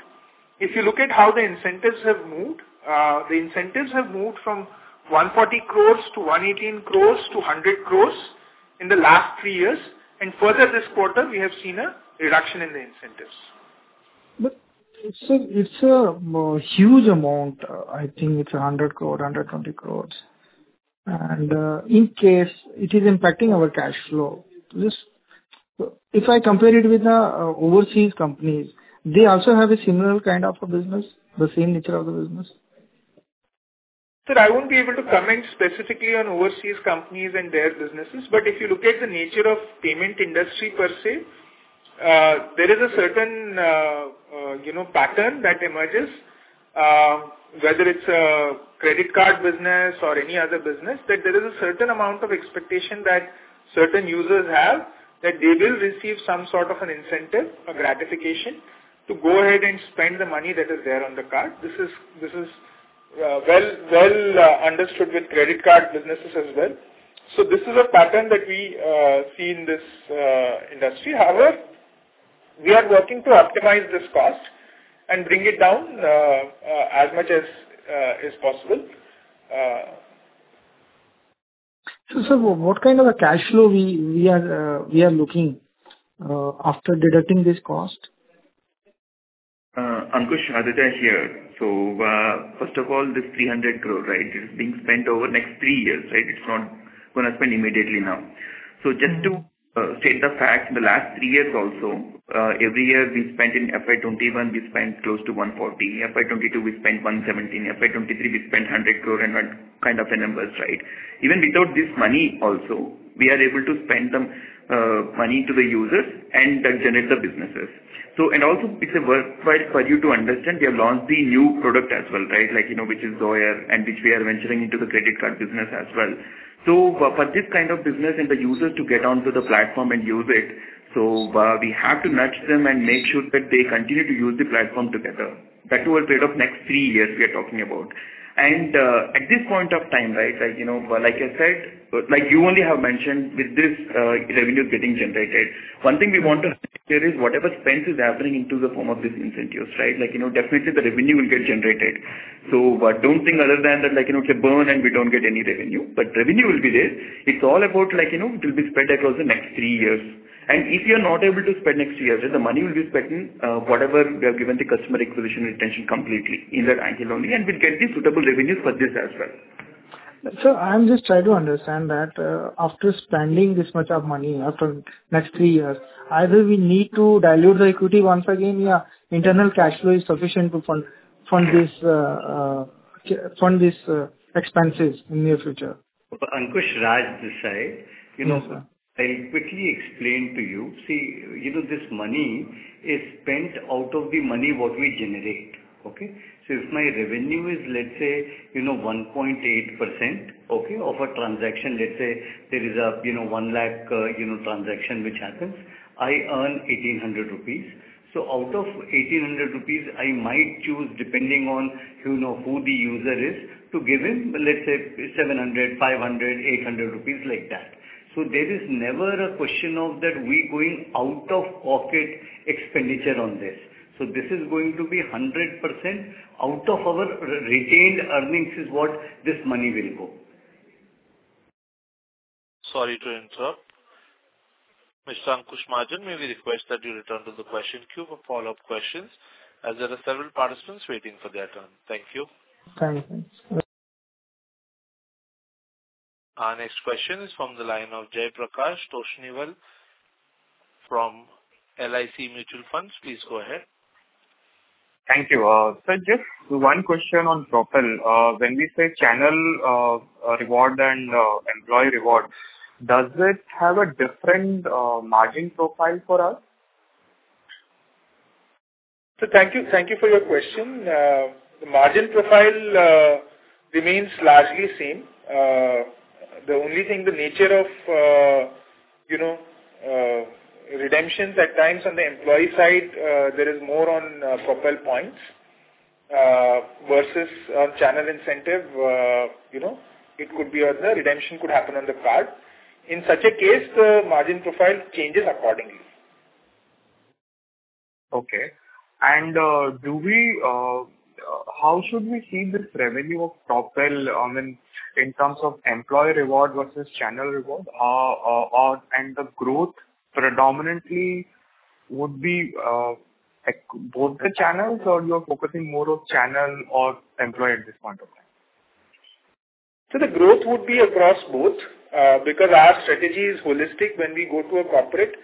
If you look at how the incentives have moved, the incentives have moved from 140 crore to 118 crore to 100 crore in the last three years, and further this quarter, we have seen a reduction in the incentives. But it's a huge amount. I think it's 100 crore, 120 crores. And, in case it is impacting our cash flow, this, if I compare it with the, overseas companies, they also have a similar kind of a business, the same nature of the business? Sir, I won't be able to comment specifically on overseas companies and their businesses, but if you look at the nature of payment industry per se, there is a certain, you know, pattern that emerges, whether it's a credit card business or any other business, that there is a certain amount of expectation that certain users have, that they will receive some sort of an incentive or gratification, to go ahead and spend the money that is there on the card. This is, this is, well, well, understood with credit card businesses as well. So this is a pattern that we see in this industry. However, we are working to optimize this cost and bring it down, as much as is possible. Sir, what kind of a cash flow we are looking after deducting this cost? Ankush, Aditya here. So, first of all, this 300 crore, right? It is being spent over the next three years, right? It's not gonna spend immediately now. So just to state the fact, in the last three years also, every year we spent, in FY 2021, we spent close to 140 crore, FY 2022, we spent 117 crore, FY 2023, we spent 100 crore and what kind of a numbers, right? Even without this money also, we are able to spend some money to the users and then generate the businesses. So and also it's a work right for you to understand, we have launched the new product as well, right? Like, you know, which is Zoyer, and which we are venturing into the credit card business as well. For this kind of business and the users to get onto the platform and use it, so, we have to nudge them and make sure that they continue to use the platform together. ...that was rate of next three years we are talking about. And, at this point of time, right, like, you know, like I said, like you only have mentioned, with this, revenue getting generated, one thing we want to there is whatever spend is happening into the form of these incentives, right? Like, you know, definitely the revenue will get generated. So but don't think other than that, like, you know, it's a burn and we don't get any revenue, but revenue will be there. It's all about like, you know, it will be spread across the next three years. And if you are not able to spend next three years, then the money will be spent in, whatever we have given the customer acquisition retention completely in that angle only, and we'll get the suitable revenues for this as well. Sir, I'm just trying to understand that, after spending this much of money after next three years, either we need to dilute the equity once again, or internal cash flow is sufficient to fund this expenses in near future. Ankush Raj this side, you know, Yes, sir. I quickly explain to you. See, you know, this money is spent out of the money what we generate, okay? So if my revenue is, let's say, you know, 1.8%, okay, of a transaction, let's say there is a, you know, 100,000 transaction which happens, I earn 1,800 rupees. So out of 1,800 rupees, I might choose, depending on, you know, who the user is, to give him, let's say, 700, 500, 800 rupees, like that. So there is never a question of that we're going out of pocket expenditure on this. So this is going to be 100% out of our retained earnings, is what this money will go. Sorry to interrupt. Mr. Ankush Mahajan, may we request that you return to the question queue for follow-up questions, as there are several participants waiting for their turn. Thank you. Thank you. Our next question is from the line of Jaiprakash Toshniwal from LIC Mutual Fund. Please go ahead. Thank you. So just one question on Propel. When we say channel reward and employee reward, does this have a different margin profile for us? So thank you. Thank you for your question. The margin profile remains largely same. The only thing, the nature of, you know, redemptions at times on the employee side, there is more on, Propel points, versus, channel incentive, you know, it could be where the redemption could happen on the card. In such a case, the margin profile changes accordingly. Okay. And, do we... How should we see this revenue of Propel in terms of employee reward versus channel reward? Or and the growth predominantly would be, like, both the channels, or you are focusing more of channel or employee at this point of time? So the growth would be across both, because our strategy is holistic. When we go to a corporate,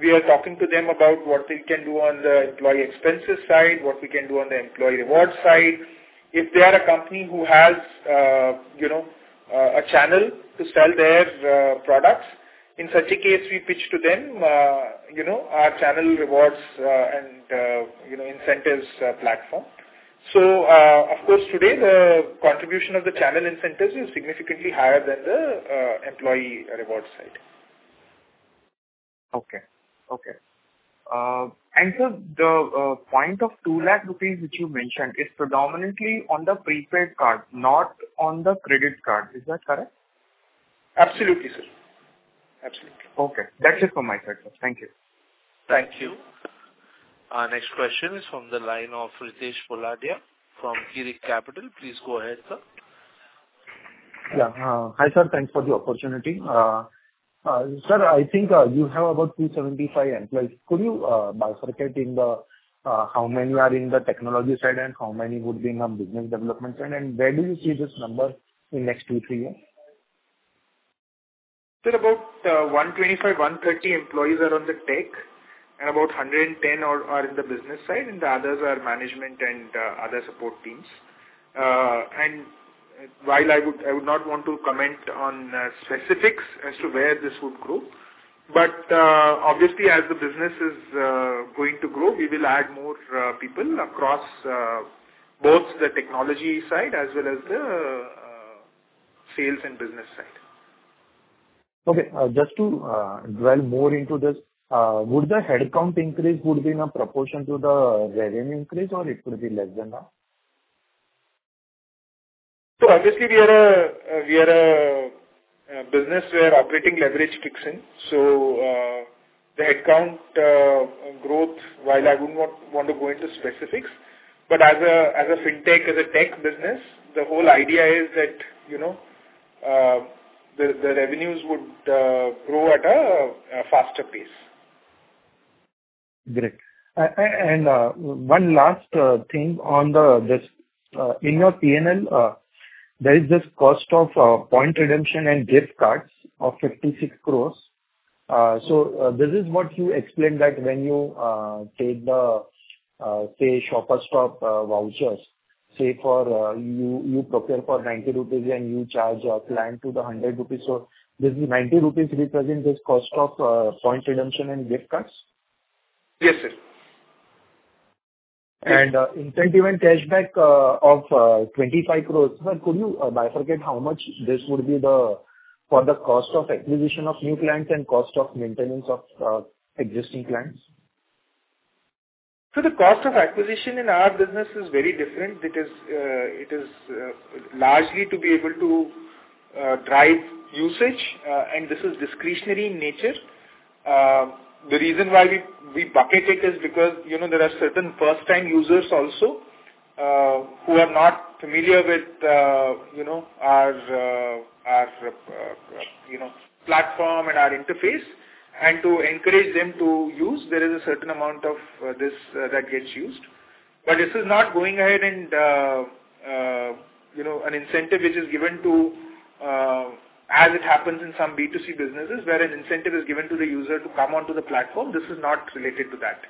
we are talking to them about what we can do on the employee expenses side, what we can do on the employee reward side. If they are a company who has, you know, a channel to sell their products, in such a case, we pitch to them, you know, our channel rewards, and, you know, incentives platform. So, of course, today, the contribution of the channel incentives is significantly higher than the employee reward side. Okay, okay. And the point of 200,000 rupees, which you mentioned, is predominantly on the prepaid card, not on the credit card. Is that correct? Absolutely, sir. Absolutely. Okay. That's it from my side, sir. Thank you. Thank you. Our next question is from the line of Ritesh Poladia from Girik Capital. Please go ahead, sir. Yeah. Hi, sir, thanks for the opportunity. Sir, I think you have about 275 employees. Could you bifurcate in the how many are in the technology side and how many would be in business development side? And where do you see this number in next 2-3 years? Sir, about 125-130 employees are on the tech, and about 110 are in the business side, and the others are management and other support teams. And while I would not want to comment on specifics as to where this would grow, but obviously, as the business is going to grow, we will add more people across both the technology side as well as the sales and business side. Okay. Just to dwell more into this, would the headcount increase would be in a proportion to the revenue increase or it could be less than that? So obviously, we are a business where operating leverage kicks in. The headcount growth, while I wouldn't want to go into specifics, but as a fintech, as a tech business, the whole idea is that, you know, the revenues would grow at a faster pace. Great. And one last thing on this, in your P&L, there is this cost of point redemption and gift cards of 56 crore. This is what you explained, that when you take the, say, Shoppers Stop vouchers, say, you procure for 90 rupees and you charge a client 100 rupees. So this 90 rupees represents this cost of points redemption and gift cards? Yes, sir. Incentive and cashback of 25 crore. Sir, could you bifurcate how much this would be for the cost of acquisition of new clients and cost of maintenance of existing clients? So the cost of acquisition in our business is very different because, it is, largely to be able to, drive usage, and this is discretionary in nature. The reason why we bucket it is because, you know, there are certain first-time users also, who are not familiar with, you know, our platform and our interface. And to encourage them to use, there is a certain amount of, this, that gets used. But this is not going ahead and, you know, an incentive which is given to, as it happens in some B2C businesses, where an incentive is given to the user to come onto the platform. This is not related to that.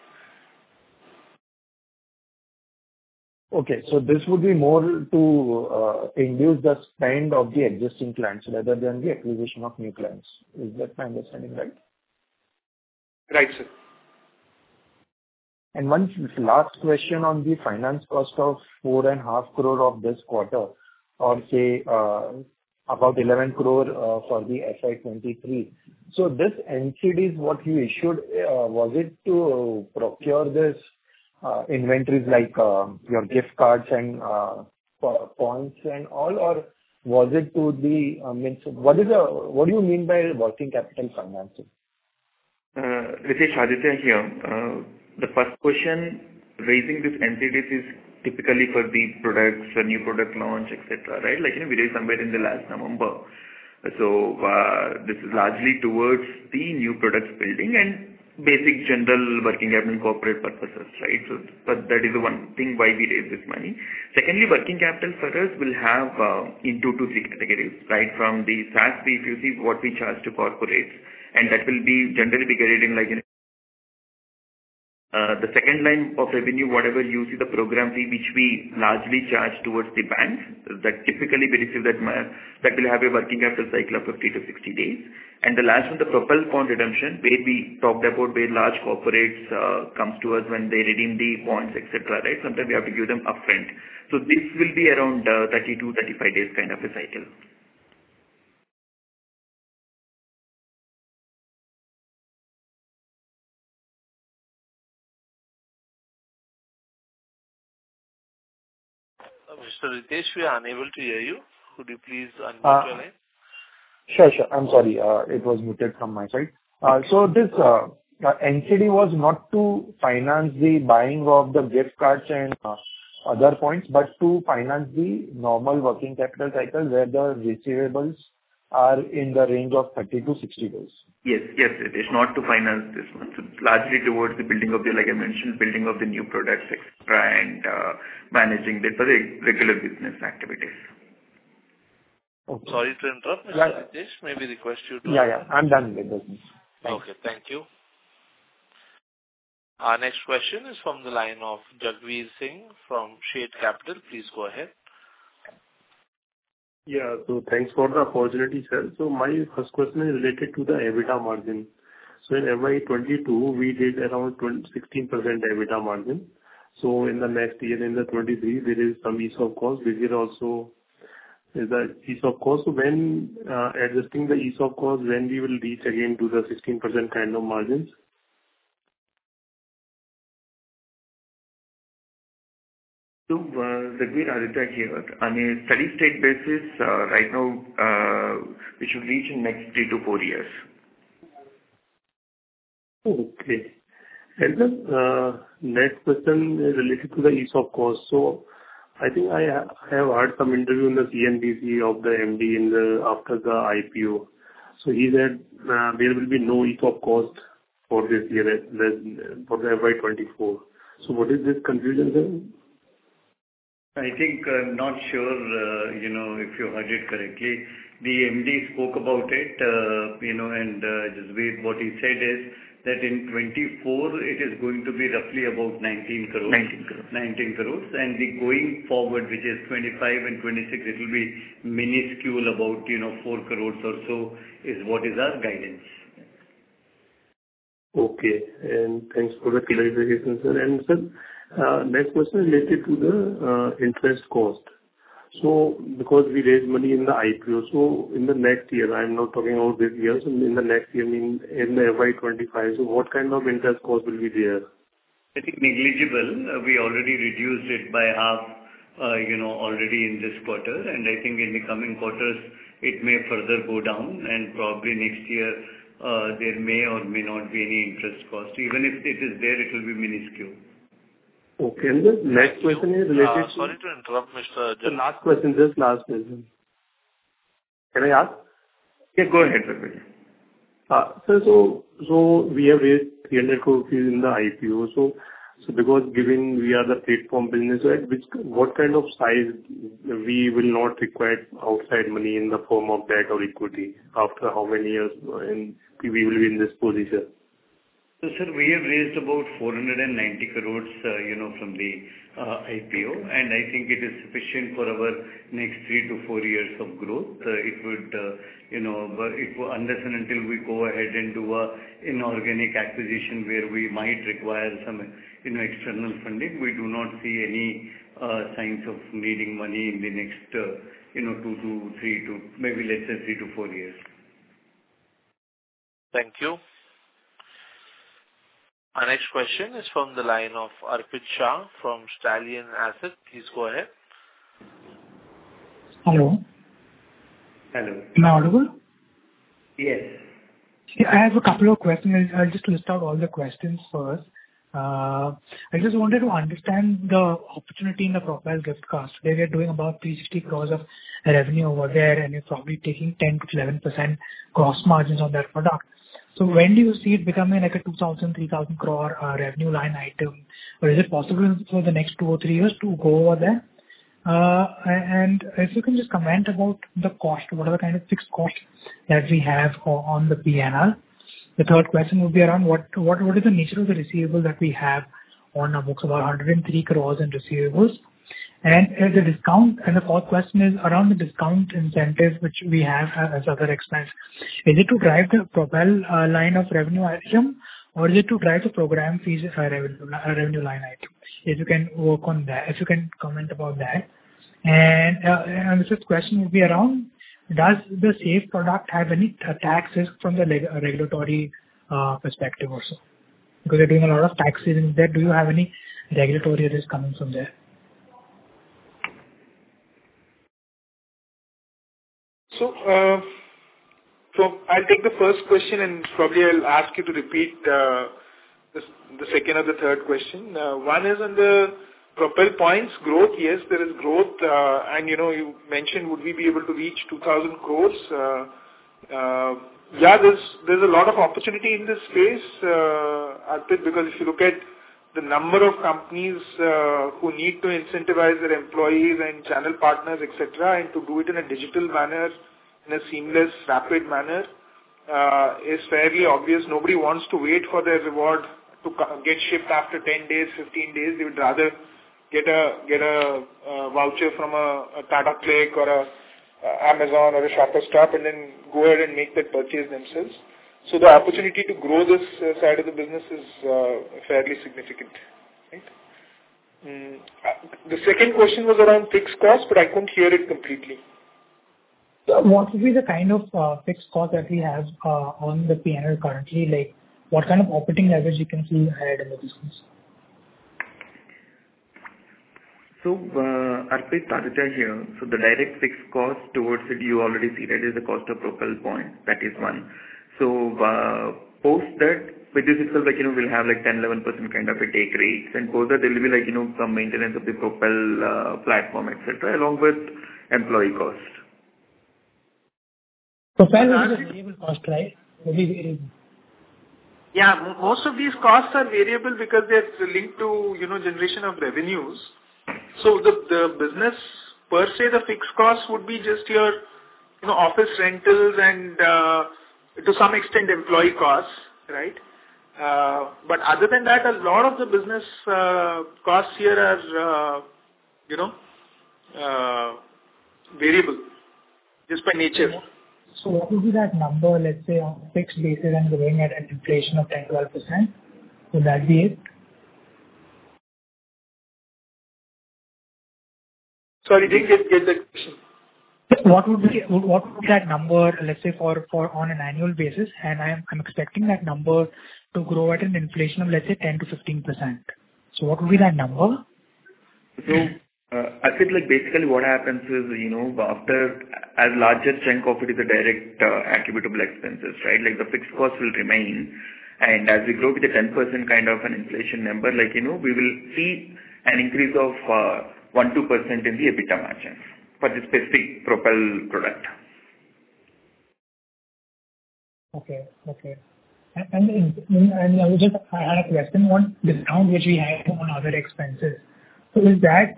Okay. So this would be more to induce the spend of the existing clients rather than the acquisition of new clients. Is that my understanding, right? Right, sir. And one last question on the finance cost of 4.5 crore of this quarter, or say, about 11 crore for FY 2023. So this NCDs, what you issued, was it to procure this inventories like your gift cards and Propel points and all? Or was it to be, I mean, so what is what do you mean by working capital financing? Ritesh, Aditya here. The first question, raising this NCD is typically for the products or new product launch, et cetera, right? Like, you know, we raised somewhere in the last November. So, this is largely towards the new products building and basic general working capital corporate purposes, right? So, but that is the one thing why we raised this money. Secondly, working capital for us will have, in 2-3 categories, right? From the SaaS, if you see what we charge to corporates, and that will be generally be carried in, like, in... The second line of revenue, whatever you see the program fee, which we largely charge towards the banks, that typically we receive that will have a working capital cycle of 50-60 days. The last one, the Propel point redemption, where we talked about where large corporates, comes to us when they redeem the points, et cetera, right? Sometimes we have to give them upfront. This will be around 32 to 35 days kind of a cycle. Mr. Ritesh, we are unable to hear you. Could you please unmute your line? Sure, sure. I'm sorry, it was muted from my side. So this NCD was not to finance the buying of the gift cards and other points, but to finance the normal working capital cycle, where the receivables are in the range of 30 to 60 days. Yes, yes, it is not to finance this one. So it's largely towards the building of the, like I mentioned, building of the new products, et cetera, and managing the other regular business activities. Okay. Sorry to interrupt, Mr. Ritesh. Maybe request you to- Yeah, yeah, I'm done with business. Thank you. Okay, thank you. Our next question is from the line of Jagvir Singh from Shade Capital. Please go ahead. Yeah. So thanks for the opportunity, sir. So my first question is related to the EBITDA margin. So in FY 2022, we did around 16% EBITDA margin. So in the next year, in 2023, there is some ease of cost. We will also... Is that ease of cost, when adjusting the ease of cost, when we will reach again to the 16% kind of margins? Jagvir, Aditya here. On a steady state basis, right now, we should reach in next 3 to 4 years. Okay. The next question is related to the increase in cost. So I think I have, I have heard some interview on the CNBC of the MD after the IPO. So he said, there will be no increase in cost for this year, for the FY 2024. So what is this conclusion then? I think I'm not sure, you know, if you heard it correctly. The MD spoke about it, you know, and, Jagvir, what he said is, that in 2024 it is going to be roughly about 19 crore. Nineteen crores. 19 crore. And the going forward, which is 2025 and 2026, it will be minuscule, about, you know, 4 crore or so, is what is our guidance. Okay. And thanks for the clarification, sir. And sir, next question related to the interest cost. So because we raised money in the IPO, so in the next year, I'm not talking about this year, so in the next year, I mean, in FY 2025, so what kind of interest cost will be there? I think negligible. We already reduced it by half, you know, already in this quarter. And I think in the coming quarters, it may further go down, and probably next year, there may or may not be any interest cost. Even if it is there, it will be minuscule. Okay. The next question is related to- Sorry to interrupt, Mr. Jagvir. The last question, just last question. Can I ask? Yeah, go ahead, Jagvir. So, we have raised 300 crore rupees in the IPO. So, because given we are the platform business, right, what kind of size we will not require outside money in the form of debt or equity? After how many years we will be in this position? So, sir, we have raised about 490 crore, you know, from the IPO, and I think it is sufficient for our next three-to-four years of growth. It would, you know, but it... unless and until we go ahead and do a inorganic acquisition, where we might require some, you know, external funding, we do not see any signs of needing money in the next, you know, two-to-three, to maybe let's say three-to-four years. Thank you. ...Our next question is from the line of Arpit Shah from Stallion Asset. Please go ahead. Hello. Hello. Am I audible? Yes. Yeah, I have a couple of questions. I'll just list out all the questions first. I just wanted to understand the opportunity in the Propel gift card. They are doing about 360 crore of revenue over there, and it's probably taking 10% to 11% gross margins on that product. When do you see it becoming like a 2,000 crore-3,000 crore revenue line item? Is it possible for the next two or three years to go over there? If you can just comment about the cost, what are the kind of fixed costs that we have on the P&L? The third question would be around what is the nature of the receivable that we have on our books, about 103 crore in receivables. The fourth question is around the discount incentives, which we have as other expense. Is it to drive the Propel line of revenue item, or is it to drive the program fees revenue, revenue line item? If you can work on that, if you can comment about that. And the fifth question will be around: Does the Save product have any taxes from the legal-regulatory perspective also? Because they're doing a lot of taxes in there. Do you have any regulatory risks coming from there? I'll take the first question, and probably I'll ask you to repeat the second or the third question. One is on the Propel points growth. Yes, there is growth, and, you know, you mentioned would we be able to reach 2,000 crore. Yeah, there's a lot of opportunity in this space, I think, because if you look at the number of companies who need to incentivize their employees and channel partners, et cetera, and to do it in a digital manner, in a seamless, rapid manner, is fairly obvious. Nobody wants to wait for their reward to get shipped after 10 days, 15 days. They would rather get a voucher from a Tata CLiQ or an Amazon or a Shoppers Stop and then go ahead and make that purchase themselves. So the opportunity to grow this side of the business is fairly significant. Right? The second question was around fixed costs, but I couldn't hear it completely. What would be the kind of fixed cost that we have on the P&L currently? Like, what kind of operating leverage you can see ahead in the business? So, Arpit, Tarun here. So the direct fixed cost towards it, you already see that is the cost of Propel Point. That is one. So, post that, which is like, you know, we'll have, like, 10%-11% kind of a take rate. And post that, there will be like, you know, some maintenance of the Propel platform, et cetera, along with employee costs. That is a variable cost, right? Variable. Yeah, most of these costs are variable because they're linked to, you know, generation of revenues. So the business, per se, the fixed costs would be just your, you know, office rentals and, to some extent, employee costs, right? But other than that, a lot of the business costs here are, you know, variable, just by nature. So what would be that number, let's say, on a fixed basis and growing at an inflation of 10% to 12%? Would that be it? Sorry, I didn't get that question. What would be that number, let's say, for on an annual basis? And I'm expecting that number to grow at an inflation of, let's say, 10% to 15%. So what would be that number? So, I said, like, basically, what happens is, you know, after... as a larger chunk of it is a direct, attributable expenses, right? Like, the fixed cost will remain, and as we grow with the 10% kind of an inflation number, like, you know, we will see an increase of 1 to 2% in the EBITDA margins for the specific Propel product. Okay. I was just... I have a question on discount, which we had on other expenses. So is that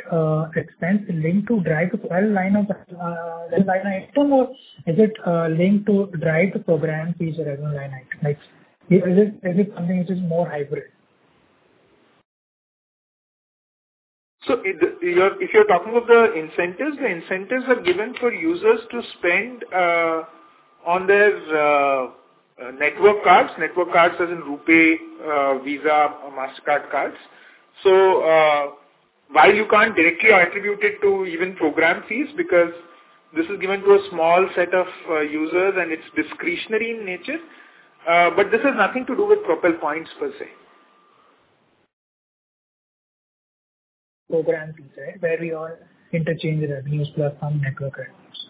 expense linked to drive Propel line of line item, or is it linked to drive the program fees or revenue line item? Like, is it something which is more hybrid? So if you're talking of the incentives, the incentives are given for users to spend on their network cards. Network cards as in RuPay, Visa, Mastercard cards. So while you can't directly attribute it to even program fees, because this is given to a small set of users, and it's discretionary in nature, but this has nothing to do with Propel points per se. Program fees, right? Where we all interchange the revenues to have some network revenues.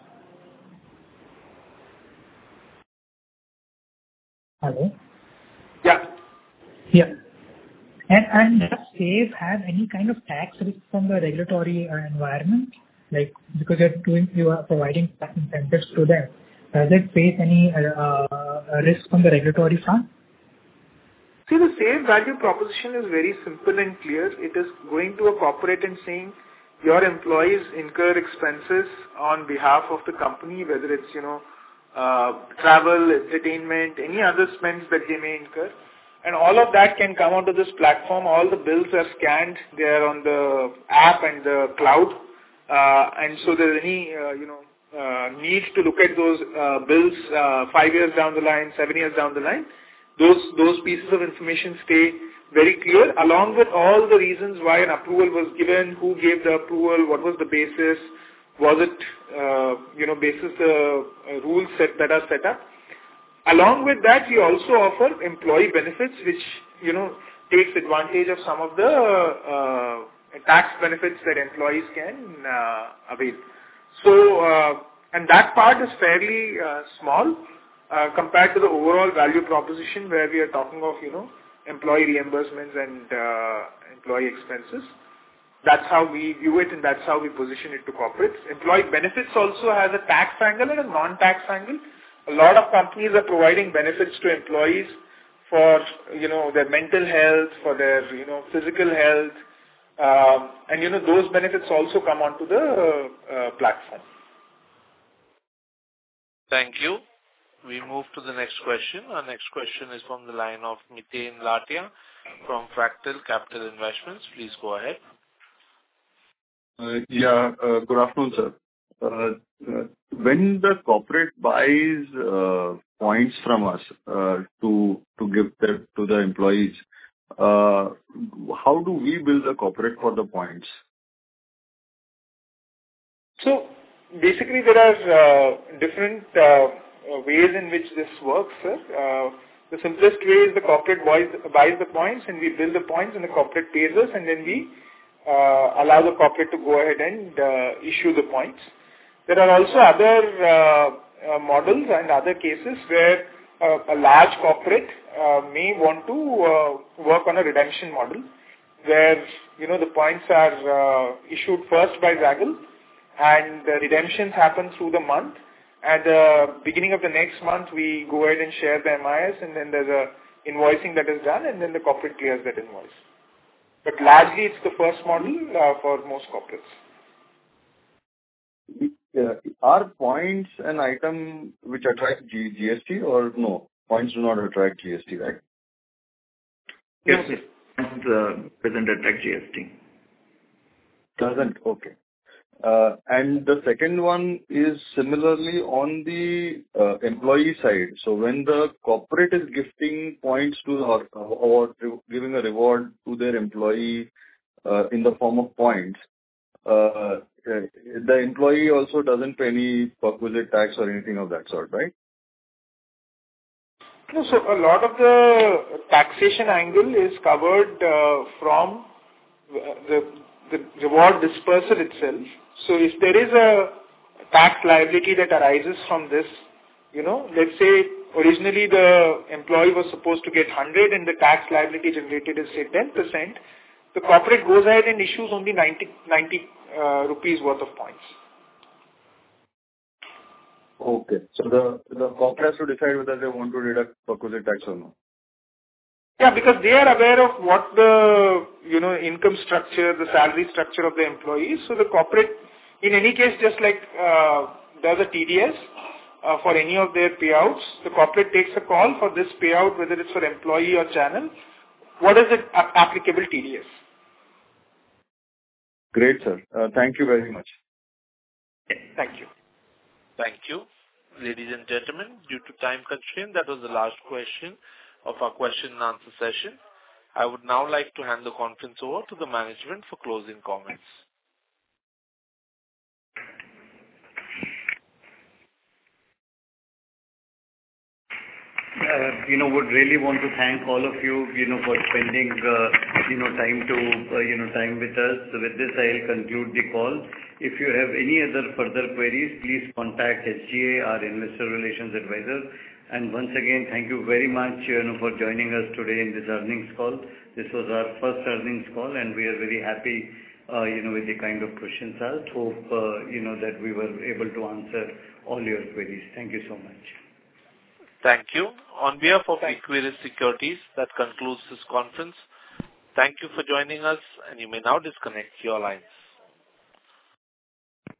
Hello? Yeah. Yeah. And does Save have any kind of tax risk from the regulatory environment? Like, because you're doing, you are providing certain incentives to them, they face any risk from the regulatory front? See, the Save value proposition is very simple and clear. It is going to a corporate and saying, "Your employees incur expenses on behalf of the company, whether it's, you know, travel, entertainment, any other spends that they may incur." All of that can come onto this platform. All the bills are scanned. They are on the app and the cloud. You know, if there are any needs to look at those bills five years down the line, seven years down the line, those pieces of information stay very clear, along with all the reasons why an approval was given, who gave the approval, what was the basis? Was it, you know, basis the rules set that are set up. Along with that, we also offer employee benefits, which, you know, takes advantage of some of the tax benefits that employees can avail. So, and that part is fairly small compared to the overall value proposition, where we are talking of, you know, employee reimbursements and employee expenses. That's how we view it, and that's how we position it to corporates. Employee benefits also has a tax angle and a non-tax angle. A lot of companies are providing benefits to employees for, you know, their mental health, for their, you know, physical health, and, you know, those benefits also come onto the platform. Thank you. We move to the next question. Our next question is from the line of Nityan Latia from Fractal Capital Investments. Please go ahead. Yeah. Good afternoon, sir. When the corporate buys points from us to give that to the employees, how do we bill the corporate for the points? So basically, there are different ways in which this works, sir. The simplest way is the corporate buys the points, and we bill the points, and the corporate pays us, and then we allow the corporate to go ahead and issue the points. There are also other models and other cases where a large corporate may want to work on a redemption model, where, you know, the points are issued first by Zaggle, and the redemptions happen through the month. At the beginning of the next month, we go ahead and share the MIS, and then there's an invoicing that is done, and then the corporate clears that invoice. But largely, it's the first model for most corporates. Are points an item which attract GST or no? Points do not attract GST, right? Yes, yes. Points doesn't attract GST. Doesn't? Okay. And the second one is similarly on the employee side. So when the corporate is gifting points to or, or giving a reward to their employee, in the form of points, the employee also doesn't pay any perquisite tax or anything of that sort, right? No. So a lot of the taxation angle is covered from the reward disperser itself. So if there is a tax liability that arises from this, you know, let's say originally the employee was supposed to get 100, and the tax liability generated is, say, 10%, the corporate goes ahead and issues only 90 rupees worth of points. Okay. So the corporate has to decide whether they want to deduct perquisite tax or not? Yeah, because they are aware of what the, you know, income structure, the salary structure of the employee. So the corporate, in any case, just like, does a TDS for any of their payouts, the corporate takes a call for this payout, whether it's for employee or channel. What is it applicable TDS? Great, sir. Thank you very much. Okay. Thank you. Thank you. Ladies and gentlemen, due to time constraint, that was the last question of our question and answer session. I would now like to hand the conference over to the management for closing comments. You know, we really want to thank all of you, you know, for spending, you know, time to, you know, time with us. So with this, I'll conclude the call. If you have any other further queries, please contact SGA, our investor relations advisor. And once again, thank you very much, you know, for joining us today in this earnings call. This was our first earnings call, and we are very happy, you know, with the kind of questions asked. Hope, you know, that we were able to answer all your queries. Thank you so much. Thank you. Thanks. On behalf of Equirus Securities, that concludes this conference. Thank you for joining us, and you may now disconnect your lines.